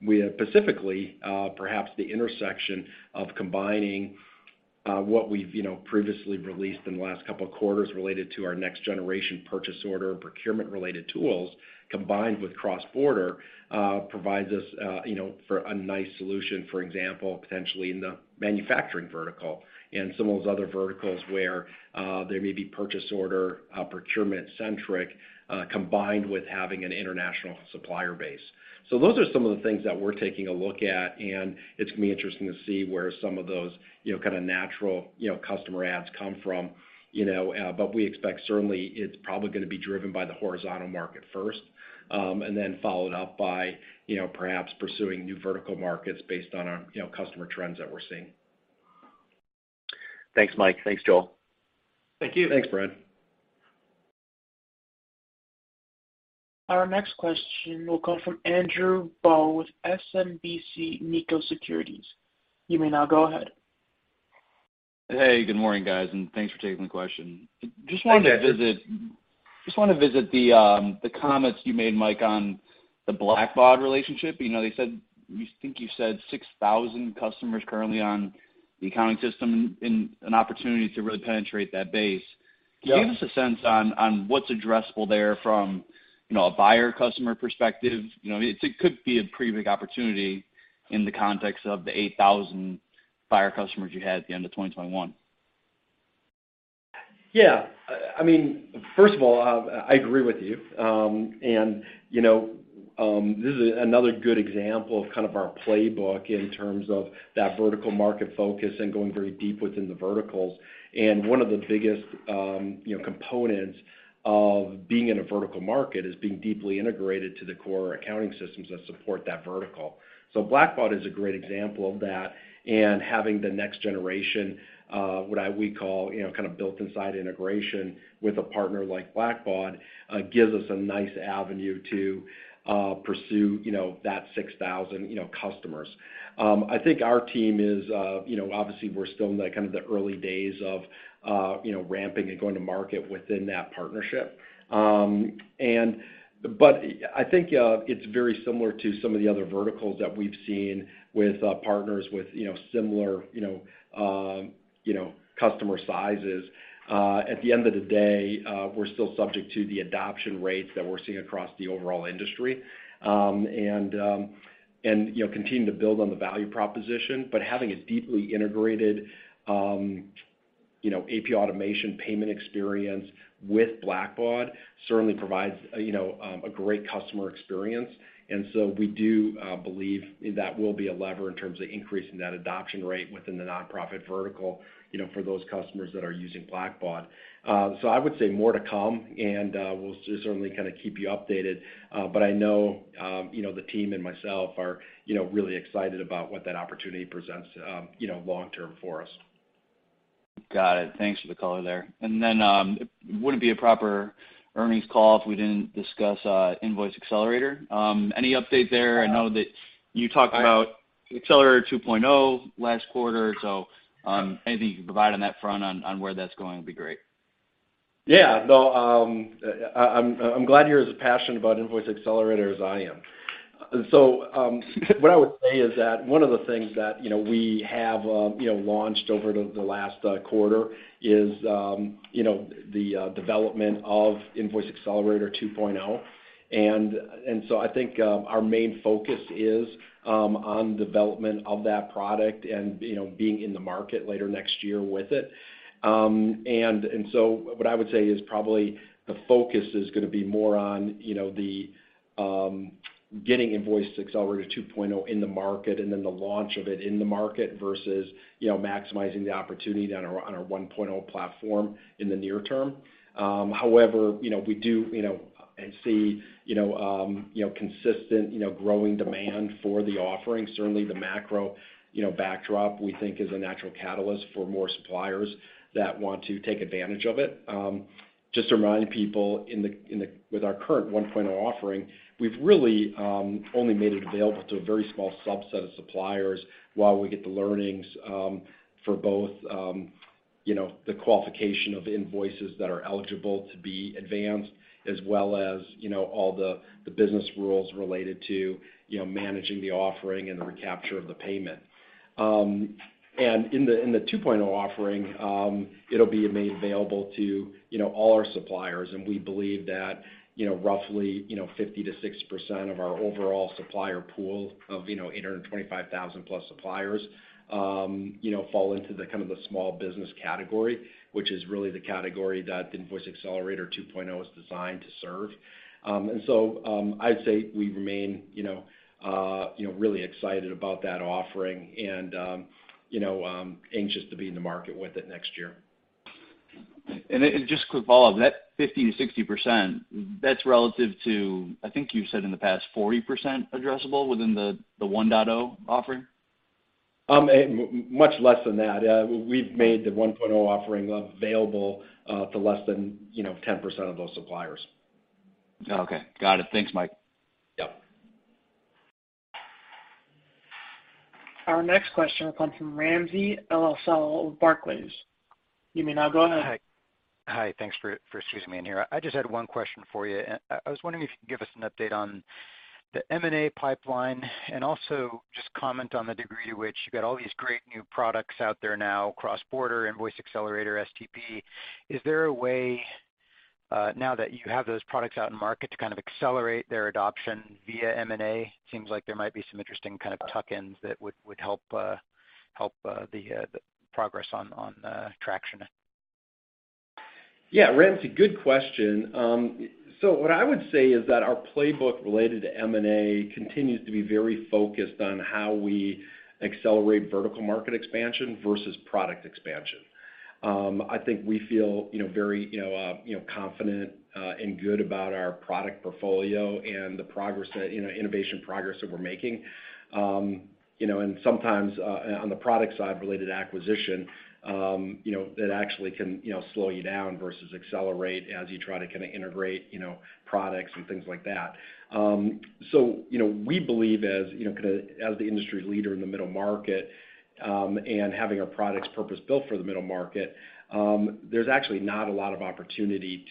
We have specifically, perhaps, the intersection of combining what we've, you know, previously released in the last couple of quarters related to our next generation purchase order procurement related tools, combined with cross-border, provides us, you know, for a nice solution, for example, potentially in the manufacturing vertical and some of those other verticals where there may be purchase order procurement-centric combined with having an international supplier base. Those are some of the things that we're taking a look at, and it's gonna be interesting to see where some of those, you know, kinda natural, you know, customer adds come from, you know. We expect certainly it's probably gonna be driven by the horizontal market first, and then followed up by, you know, perhaps pursuing new vertical markets based on our, you know, customer trends that we're seeing. Thanks, Mike. Thanks, Joel. Thank you. Thanks, Brad. Our next question will come from Andrew Bauch with SMBC Nikko Securities. You may now go ahead. Hey, good morning, guys, and thanks for taking the question. Hey, Andrew. Just wanted to visit the comments you made, Mike, on the Blackbaud relationship. You know, they said. You think you said 6,000 customers currently on the accounting system and an opportunity to really penetrate that base. Yep. Give us a sense on what's addressable there from, you know, a buyer customer perspective. You know, it could be a pretty big opportunity in the context of the 8,000 buyer customers you had at the end of 2021. Yeah. I mean, first of all, I agree with you. You know, this is another good example of kind of our playbook in terms of that vertical market focus and going very deep within the verticals. One of the biggest, you know, components of being in a vertical market is being deeply integrated to the core accounting systems that support that vertical. So Blackbaud is a great example of that. Having the next generation, we call, you know, kind of built inside integration with a partner like Blackbaud gives us a nice avenue to pursue, you know, that 6,000 customers. I think our team is, you know, obviously we're still in the early days of ramping and going to market within that partnership. I think it's very similar to some of the other verticals that we've seen with partners with, you know, similar, you know, customer sizes. At the end of the day, we're still subject to the adoption rates that we're seeing across the overall industry, and you know, continue to build on the value proposition. Having a deeply integrated, you know, AP automation payment experience with Blackbaud certainly provides a, you know, a great customer experience. We do believe that will be a lever in terms of increasing that adoption rate within the nonprofit vertical, you know, for those customers that are using Blackbaud. I would say more to come, and we'll certainly kinda keep you updated. I know, you know, the team and myself are, you know, really excited about what that opportunity presents, you know, long-term for us. Got it. Thanks for the color there. It wouldn't be a proper earnings call if we didn't discuss Invoice Accelerator. Any update there? I know that you talked about Accelerator 2.0 last quarter, so anything you can provide on that front on where that's going would be great. Yeah, no, I'm glad you're as passionate about Invoice Accelerator as I am. What I would say is that one of the things that, you know, we have, you know, launched over the last quarter is, you know, the development of Invoice Accelerator 2.0. I think our main focus is on development of that product and, you know, being in the market later next year with it. What I would say is probably the focus is gonna be more on, you know, the getting Invoice Accelerator 2.0 in the market and then the launch of it in the market versus, you know, maximizing the opportunity on our 1.0 platform in the near term. However, you know, we do, you know, I see, you know, consistent, you know, growing demand for the offering. Certainly, the macro, you know, backdrop, we think, is a natural catalyst for more suppliers that want to take advantage of it. Just to remind people, with our current 1.0 offering, we've really only made it available to a very small subset of suppliers while we get the learnings, for both, you know, the qualification of invoices that are eligible to be advanced, as well as, you know, all the business rules related to, you know, managing the offering and the recapture of the payment. In the 2.0 offering, it'll be made available to, you know, all our suppliers, and we believe that, you know, roughly, you know, 50%-60% of our overall supplier pool of, you know, 825,000+ suppliers, you know, fall into the kind of small business category, which is really the category that Invoice Accelerator 2.0 is designed to serve. I'd say we remain, you know, really excited about that offering and, you know, anxious to be in the market with it next year. Just quick follow-up. That 50%-60%, that's relative to, I think you've said in the past 40% addressable within the 1.0 offering? A much less than that. We've made the 1.0 offering available to less than, you know, 10% of those suppliers. Okay. Got it. Thanks, Mike. Yep. Our next question will come from Ramsey El-Assal with Barclays. You may now go ahead. Hi. Hi, thanks for squeezing me in here. I just had one question for you. I was wondering if you could give us an update on the M&A pipeline and also just comment on the degree to which you've got all these great new products out there now, cross-border, Invoice Accelerator, STP. Is there a way, now that you have those products out in market, to kind of accelerate their adoption via M&A? Seems like there might be some interesting kind of tuck-ins that would help the progress on traction. Yeah, Ramsey El-Assal, good question. What I would say is that our playbook related to M&A continues to be very focused on how we accelerate vertical market expansion versus product expansion. I think we feel, you know, very, you know, you know, confident, and good about our product portfolio and the progress that, you know, innovation progress that we're making. You know, and sometimes, on the product side related acquisition, you know, that actually can, you know, slow you down versus accelerate as you try to kinda integrate, you know, products and things like that. You know, we believe, as, you know, kinda as the industry leader in the middle market, and having our products purpose-built for the middle market, there's actually not a lot of opportunity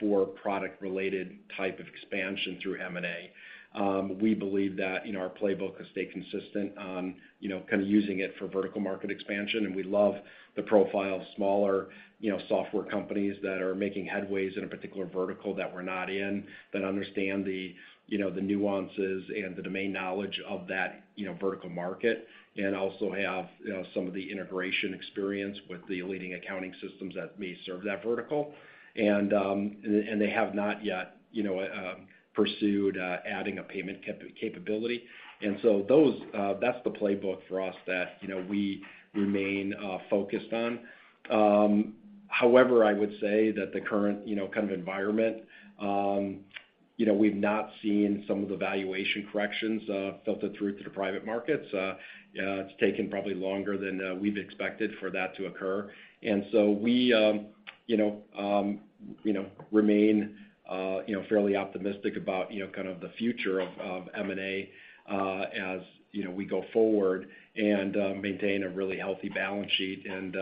for product related type of expansion through M&A. We believe that, you know, our playbook has stayed consistent on, you know, kind of using it for vertical market expansion, and we love the profile of smaller, you know, software companies that are making headway in a particular vertical that we're not in, that understand the, you know, the nuances and the domain knowledge of that, you know, vertical market, and also have, you know, some of the integration experience with the leading accounting systems that may serve that vertical. They have not yet, you know, pursued adding a payment capability. That's the playbook for us that, you know, we remain focused on. However, I would say that the current, you know, kind of environment, you know, we've not seen some of the valuation corrections filter through to the private markets. It's taken probably longer than we've expected for that to occur. We you know remain you know fairly optimistic about you know kind of the future of M&A as you know we go forward and maintain a really healthy balance sheet and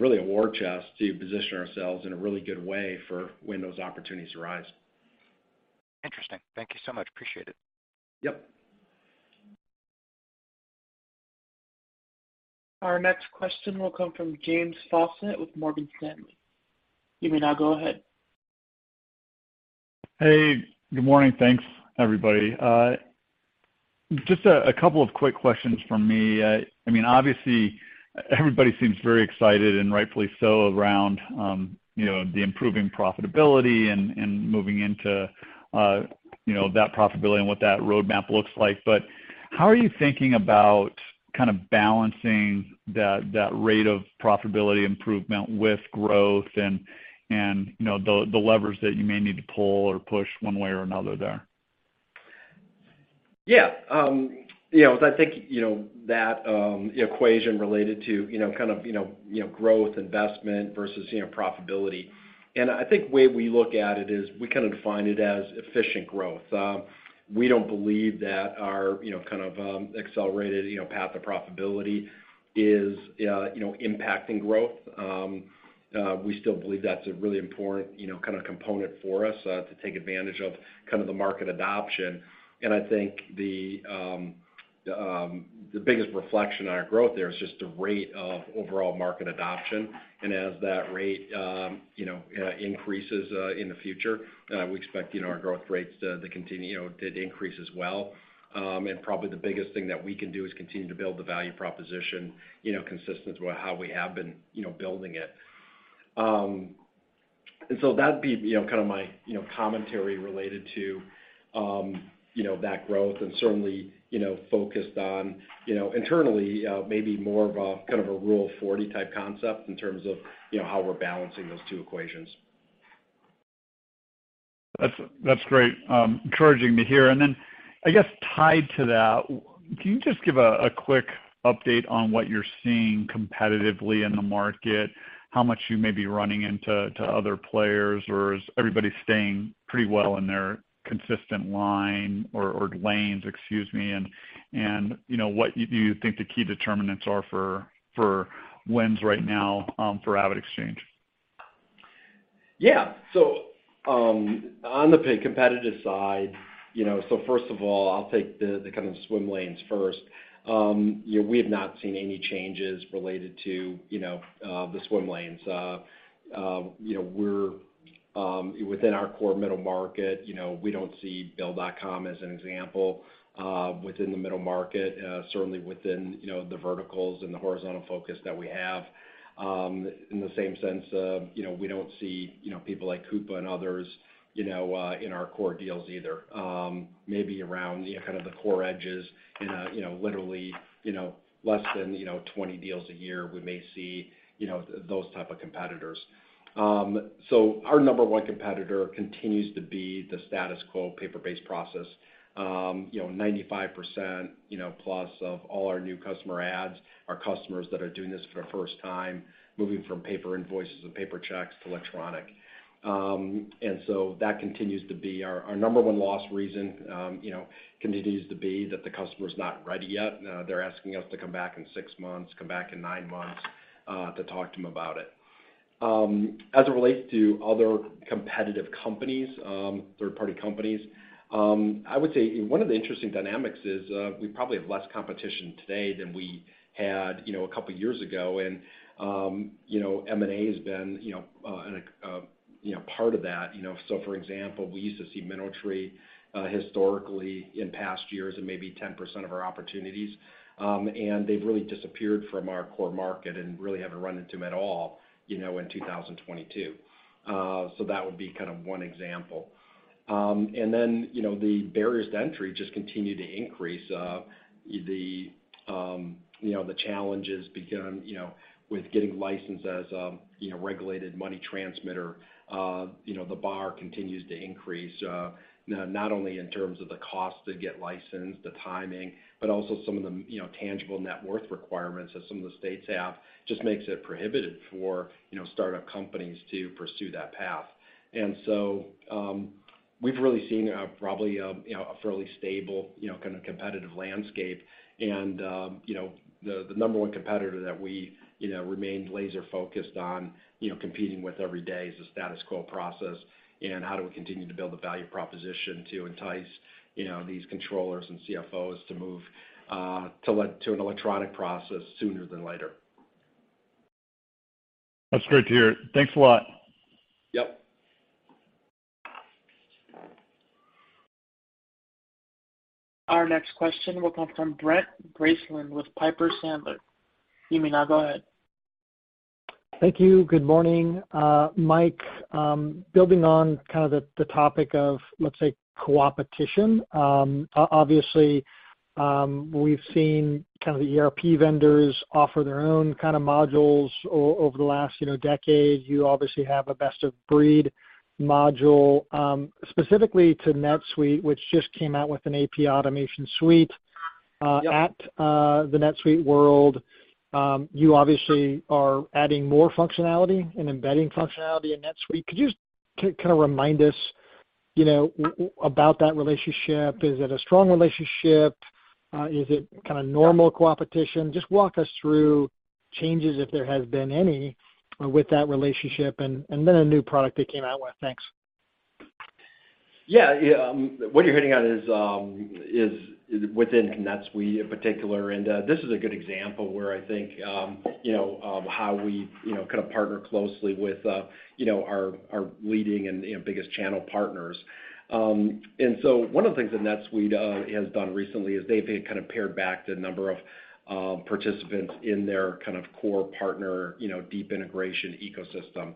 really a war chest to position ourselves in a really good way for when those opportunities arise. Interesting. Thank you so much. Appreciate it. Yep. Our next question will come from James Faucette with Morgan Stanley. You may now go ahead. Hey, good morning. Thanks, everybody. Just a couple of quick questions from me. I mean, obviously everybody seems very excited, and rightfully so, around, you know, the improving profitability and moving into, you know, that profitability and what that roadmap looks like. How are you thinking about kind of balancing that rate of profitability improvement with growth and, you know, the levers that you may need to pull or push one way or another there? Yeah. You know, I think, you know, that equation related to, you know, kind of, growth, investment versus, you know, profitability. I think the way we look at it is we kind of define it as efficient growth. We don't believe that our, you know, kind of, accelerated, you know, path to profitability is, you know, impacting growth. We still believe that's a really important, you know, kind of component for us, to take advantage of kind of the market adoption. I think the biggest reflection on our growth there is just the rate of overall market adoption. As that rate, you know, increases, in the future, we expect, you know, our growth rates to continue, you know, to increase as well. Probably the biggest thing that we can do is continue to build the value proposition, you know, consistent with how we have been, you know, building it. That'd be, you know, kind of my, you know, commentary related to, you know, that growth and certainly, you know, focused on, you know, internally, maybe more of a, kind of a Rule of 40-type concept in terms of, you know, how we're balancing those two equations. That's great. Encouraging to hear. I guess tied to that, can you just give a quick update on what you're seeing competitively in the market, how much you may be running into other players, or is everybody staying pretty well in their consistent line or lanes, excuse me, you know, what you think the key determinants are for wins right now, for AvidXchange? Yeah. On the competitive side, you know, first of all, I'll take the kind of swim lanes first. You know, we have not seen any changes related to, you know, the swim lanes. Within our core middle market, you know, we don't see Bill.com as an example within the middle market, certainly within, you know, the verticals and the horizontal focus that we have. In the same sense of, you know, we don't see, you know, people like Coupa and others, you know, in our core deals either. Maybe around, you know, kind of the core edges, literally, you know, less than 20 deals a year, we may see, you know, those type of competitors. Our number one competitor continues to be the status quo paper-based process. You know, 95%, you know, plus of all our new customer adds are customers that are doing this for the first time, moving from paper invoices and paper checks to electronic. That continues to be our number one loss reason. You know, continues to be that the customer's not ready yet. They're asking us to come back in six months, come back in nine months, to talk to them about it. As it relates to other competitive companies, third-party companies, I would say one of the interesting dynamics is we probably have less competition today than we had, you know, a couple years ago, and you know, M&A has been, you know, an part of that. You know, for example, we used to see MineralTree historically in past years in maybe 10% of our opportunities, and they've really disappeared from our core market and really haven't run into them at all, you know, in 2022. That would be kind of one example. The barriers to entry just continue to increase. The challenges begin with getting licensed as a regulated money transmitter, the bar continues to increase, not only in terms of the cost to get licensed, the timing, but also some of the tangible net worth requirements that some of the states have just make it prohibited for startup companies to pursue that path. We've really seen probably you know a fairly stable you know kind of competitive landscape and you know the number one competitor that we you know remained laser focused on you know competing with every day is the status quo process and how do we continue to build the value proposition to entice you know these controllers and CFOs to move to an electronic process sooner than later. That's great to hear. Thanks a lot. Yep. Our next question will come from Brent Bracelin with Piper Sandler. You may now go ahead. Thank you. Good morning, Mike. Building on kind of the topic of, let's say, coopetition, obviously, we've seen kind of the ERP vendors offer their own kind of modules over the last, you know, decade. You obviously have a best of breed module. Specifically to NetSuite, which just came out with an AP automation suite. Yep At SuiteWorld, you obviously are adding more functionality and embedding functionality in NetSuite. Could you kind of remind us, you know, about that relationship? Is it a strong relationship? Is it kind of normal coopetition? Just walk us through changes, if there has been any, with that relationship and then the new product they came out with. Thanks. Yeah, yeah. What you're hitting on is within NetSuite in particular, and this is a good example where I think you know how we you know kind of partner closely with you know our leading and you know biggest channel partners. One of the things that NetSuite has done recently is they've kind of pared back the number of participants in their kind of core partner you know deep integration ecosystem.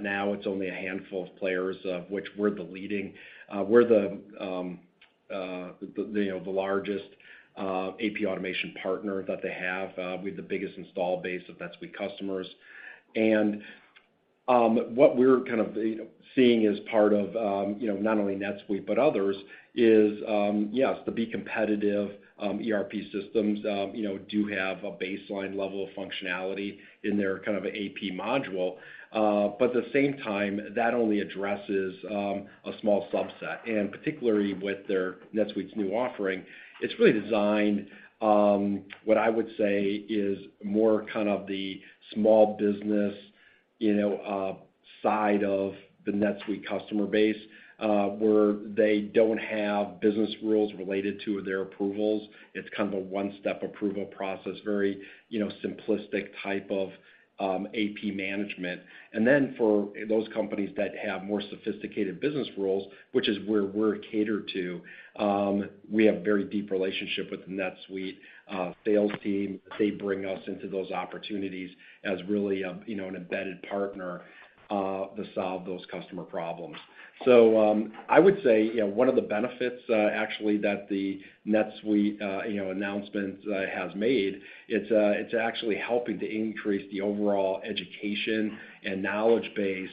Now it's only a handful of players, of which we're the leading, the largest AP automation partner that they have. We have the biggest install base of NetSuite customers. What we're kind of, you know, seeing as part of, you know, not only NetSuite but others is, yes, to be competitive, ERP systems, you know, do have a baseline level of functionality in their kind of AP module. But at the same time, that only addresses a small subset. Particularly with their NetSuite's new offering, it's really designed, what I would say is more kind of the small business, you know, side of the NetSuite customer base, where they don't have business rules related to their approvals. It's kind of a one-step approval process, very, you know, simplistic type of AP management. Then for those companies that have more sophisticated business rules, which is where we're catered to, we have very deep relationship with NetSuite sales team. They bring us into those opportunities as really, you know, an embedded partner, to solve those customer problems. I would say, you know, one of the benefits, actually that the NetSuite announcement has made, it's actually helping to increase the overall education and knowledge base,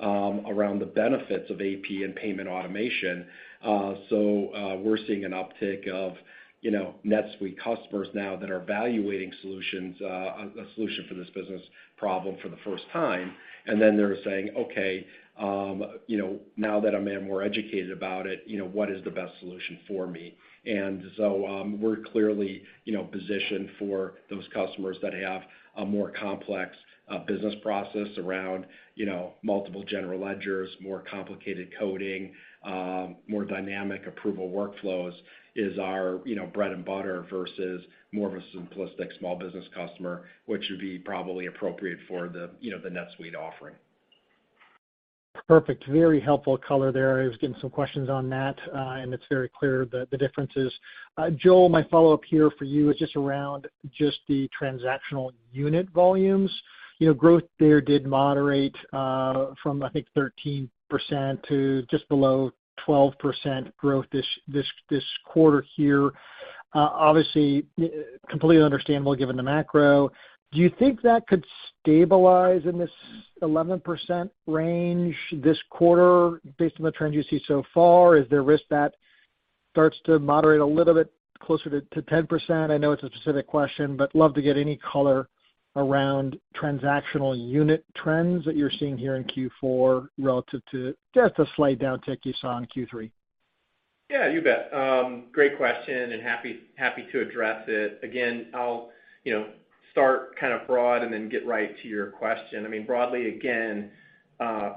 around the benefits of AP and payment automation. We're seeing an uptick of, you know, NetSuite customers now that are evaluating a solution for this business problem for the first time. They're saying, "Okay, you know, now that I'm more educated about it, you know, what is the best solution for me?" We're clearly, you know, positioned for those customers that have a more complex business process around, you know, multiple general ledgers, more complicated coding, more dynamic approval workflows is our, you know, bread and butter versus more of a simplistic small business customer, which would be probably appropriate for the, you know, the NetSuite offering. Perfect. Very helpful color there. I was getting some questions on that, and it's very clear the differences. Joel, my follow-up here for you is just around just the transactional unit volumes. You know, growth there did moderate, from I think 13% to just below 12% growth this quarter here. Obviously, completely understandable given the macro. Do you think that could stabilize in this 11% range this quarter based on the trends you see so far? Is there risk that starts to moderate a little bit closer to 10%? I know it's a specific question, but love to get any color around transactional unit trends that you're seeing here in Q4 relative to just a slight downtick you saw in Q3. Yeah, you bet. Great question and happy to address it. Again, I'll you know start kind of broad and then get right to your question. I mean, broadly, again,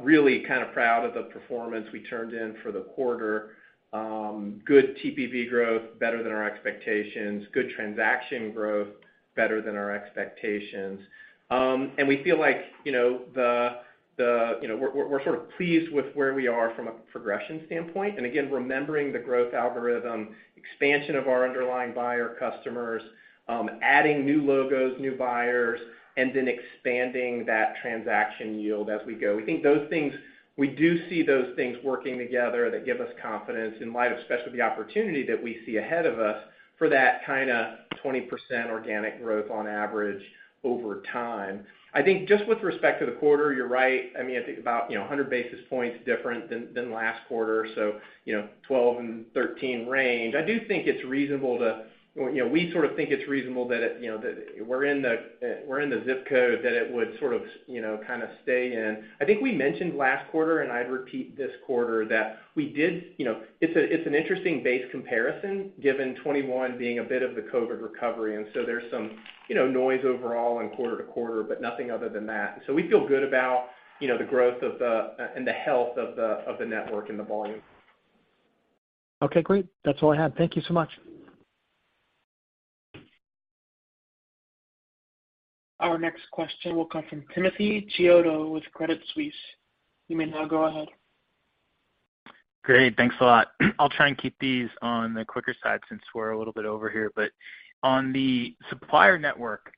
really kind of proud of the performance we turned in for the quarter. Good TPV growth, better than our expectations. Good transaction growth, better than our expectations. And we feel like, you know, we're sort of pleased with where we are from a progression standpoint. Remembering the growth algorithm, expansion of our underlying buyer customers, adding new logos, new buyers, and then expanding that transaction yield as we go. We think those things. We do see those things working together that give us confidence in light of especially the opportunity that we see ahead of us for that kind of 20% organic growth on average over time. I think just with respect to the quarter, you're right. I mean, I think about, you know, 100 basis points different than last quarter, so, you know, 12%-13% range. I do think it's reasonable. You know, we sort of think it's reasonable that it, you know, that we're in the ZIP code that it would sort of, you know, kind of stay in. I think we mentioned last quarter, and I'd repeat this quarter, it's an interesting base comparison given 2021 being a bit of the COVID recovery, and so there's some, you know, noise overall and quarter to quarter, but nothing other than that. We feel good about, you know, the growth and the health of the network and the volume. Okay, great. That's all I had. Thank you so much. Our next question will come from Timothy Chiodo with Credit Suisse. You may now go ahead. Great. Thanks a lot. I'll try and keep these on the quicker side since we're a little bit over here. On the supplier network,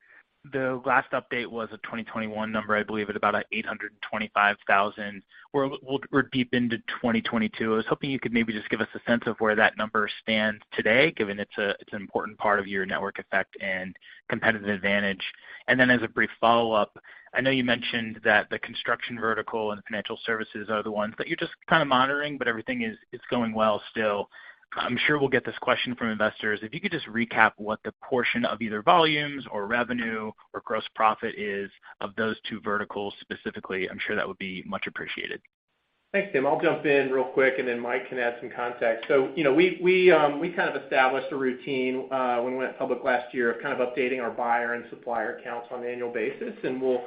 the last update was a 2021 number, I believe at about 825,000. We're deep into 2022. I was hoping you could maybe just give us a sense of where that number stands today, given it's a, it's an important part of your network effect and competitive advantage. As a brief follow-up, I know you mentioned that the construction vertical and financial services are the ones that you're just kind of monitoring, but everything is going well still. I'm sure we'll get this question from investors. If you could just recap what the portion of either volumes or revenue or gross profit is of those two verticals specifically, I'm sure that would be much appreciated. Thanks, Tim. I'll jump in real quick, and then Mike can add some context. You know, we kind of established a routine when we went public last year of kind of updating our buyer and supplier counts on an annual basis, and we'll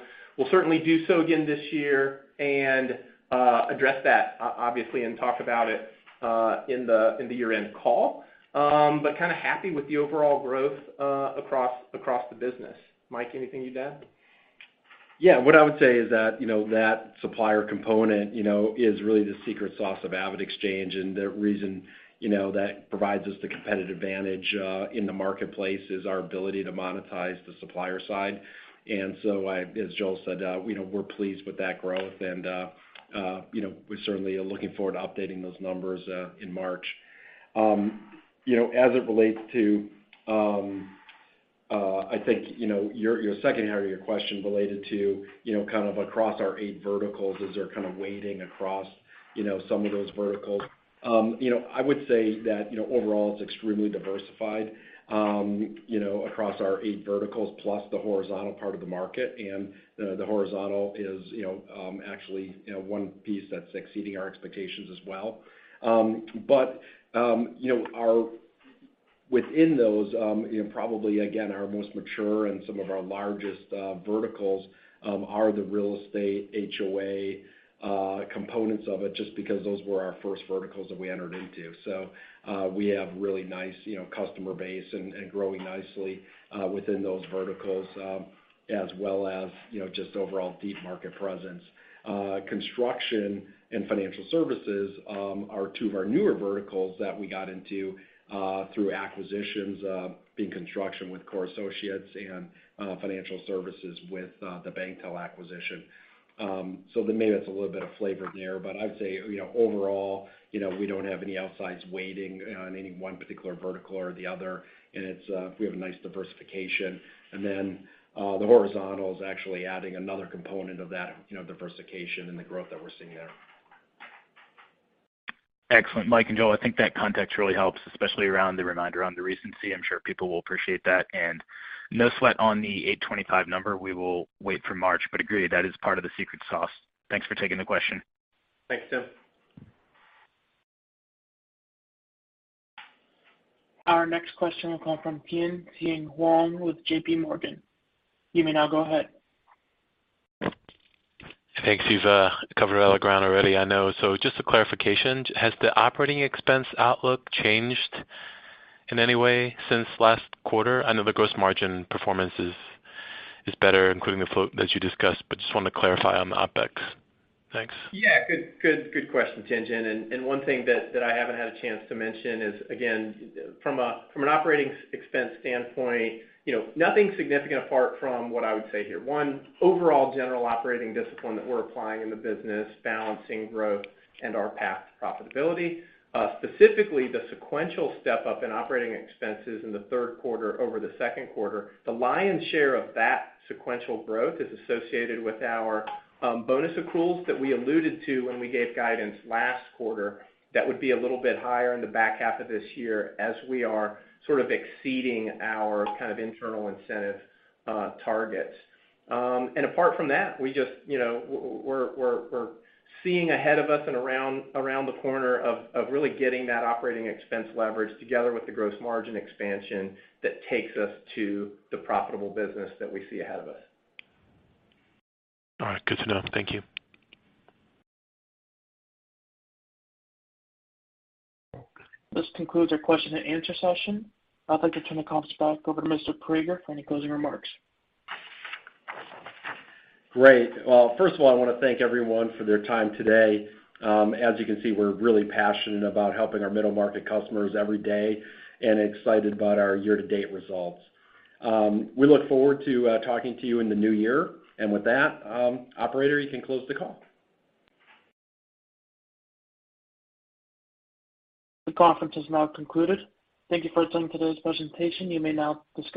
certainly do so again this year and address that obviously and talk about it in the year-end call. Kinda happy with the overall growth across the business. Mike, anything you'd add? Yeah. What I would say is that, you know, that supplier component, you know, is really the secret sauce of AvidXchange. The reason, you know, that provides us the competitive advantage in the marketplace is our ability to monetize the supplier side. As Joel said, you know, we're pleased with that growth and, you know, we certainly are looking forward to updating those numbers in March. You know, as it relates to, I think, you know, your second area of your question related to, you know, kind of across our eight verticals, is they're kind of weighting across, you know, some of those verticals. You know, I would say that, you know, overall it's extremely diversified, you know, across our eight verticals plus the horizontal part of the market. The horizontal is, you know, actually, you know, one piece that's exceeding our expectations as well. But, you know, our within those, and probably again our most mature and some of our largest verticals are the real estate, HOA, components of it, just because those were our first verticals that we entered into. We have really nice, you know, customer base and growing nicely within those verticals, as well as, you know, just overall deep market presence. Construction and financial services are two of our newer verticals that we got into through acquisitions, being construction with Core Associates and financial services with the BankTEL acquisition. Maybe that's a little bit of flavor there, but I'd say, you know, overall, you know, we don't have any outsized weighting on any one particular vertical or the other, and it's, we have a nice diversification. The horizontal is actually adding another component of that, you know, diversification and the growth that we're seeing there. Excellent. Mike and Joel, I think that context really helps, especially around the reminder on the recency. I'm sure people will appreciate that. No sweat on the 825 number. We will wait for March. Agreed, that is part of the secret sauce. Thanks for taking the question. Thanks, Tim. Our next question will come from Tien-Tsin Huang with JPMorgan. You may now go ahead. Thanks. You've covered all the ground already, I know. Just a clarification. Has the operating expense outlook changed in any way since last quarter? I know the gross margin performance is better, including the float that you discussed, but just wanted to clarify on the OpEx. Thanks. Yeah, good question, Tien-Tsin. One thing that I haven't had a chance to mention is, again, from an operating expense standpoint, you know, nothing significant apart from what I would say here. One, overall general operating discipline that we're applying in the business, balancing growth and our path to profitability. Specifically, the sequential step up in operating expenses in the third quarter over the second quarter, the lion's share of that sequential growth is associated with our bonus accruals that we alluded to when we gave guidance last quarter. That would be a little bit higher in the back half of this year as we are sort of exceeding our kind of internal incentive targets. Apart from that, we just, you know, we're seeing ahead of us and around the corner of really getting that operating expense leverage together with the gross margin expansion that takes us to the profitable business that we see ahead of us. All right. Good to know. Thank you. This concludes our question and answer session. I'd like to turn the conference back over to Mr. Praeger for any closing remarks. Great. Well, first of all, I wanna thank everyone for their time today. As you can see, we're really passionate about helping our middle market customers every day and excited about our year-to-date results. We look forward to talking to you in the new year. With that, operator, you can close the call. The conference has now concluded. Thank you for attending today's presentation. You may now disconnect.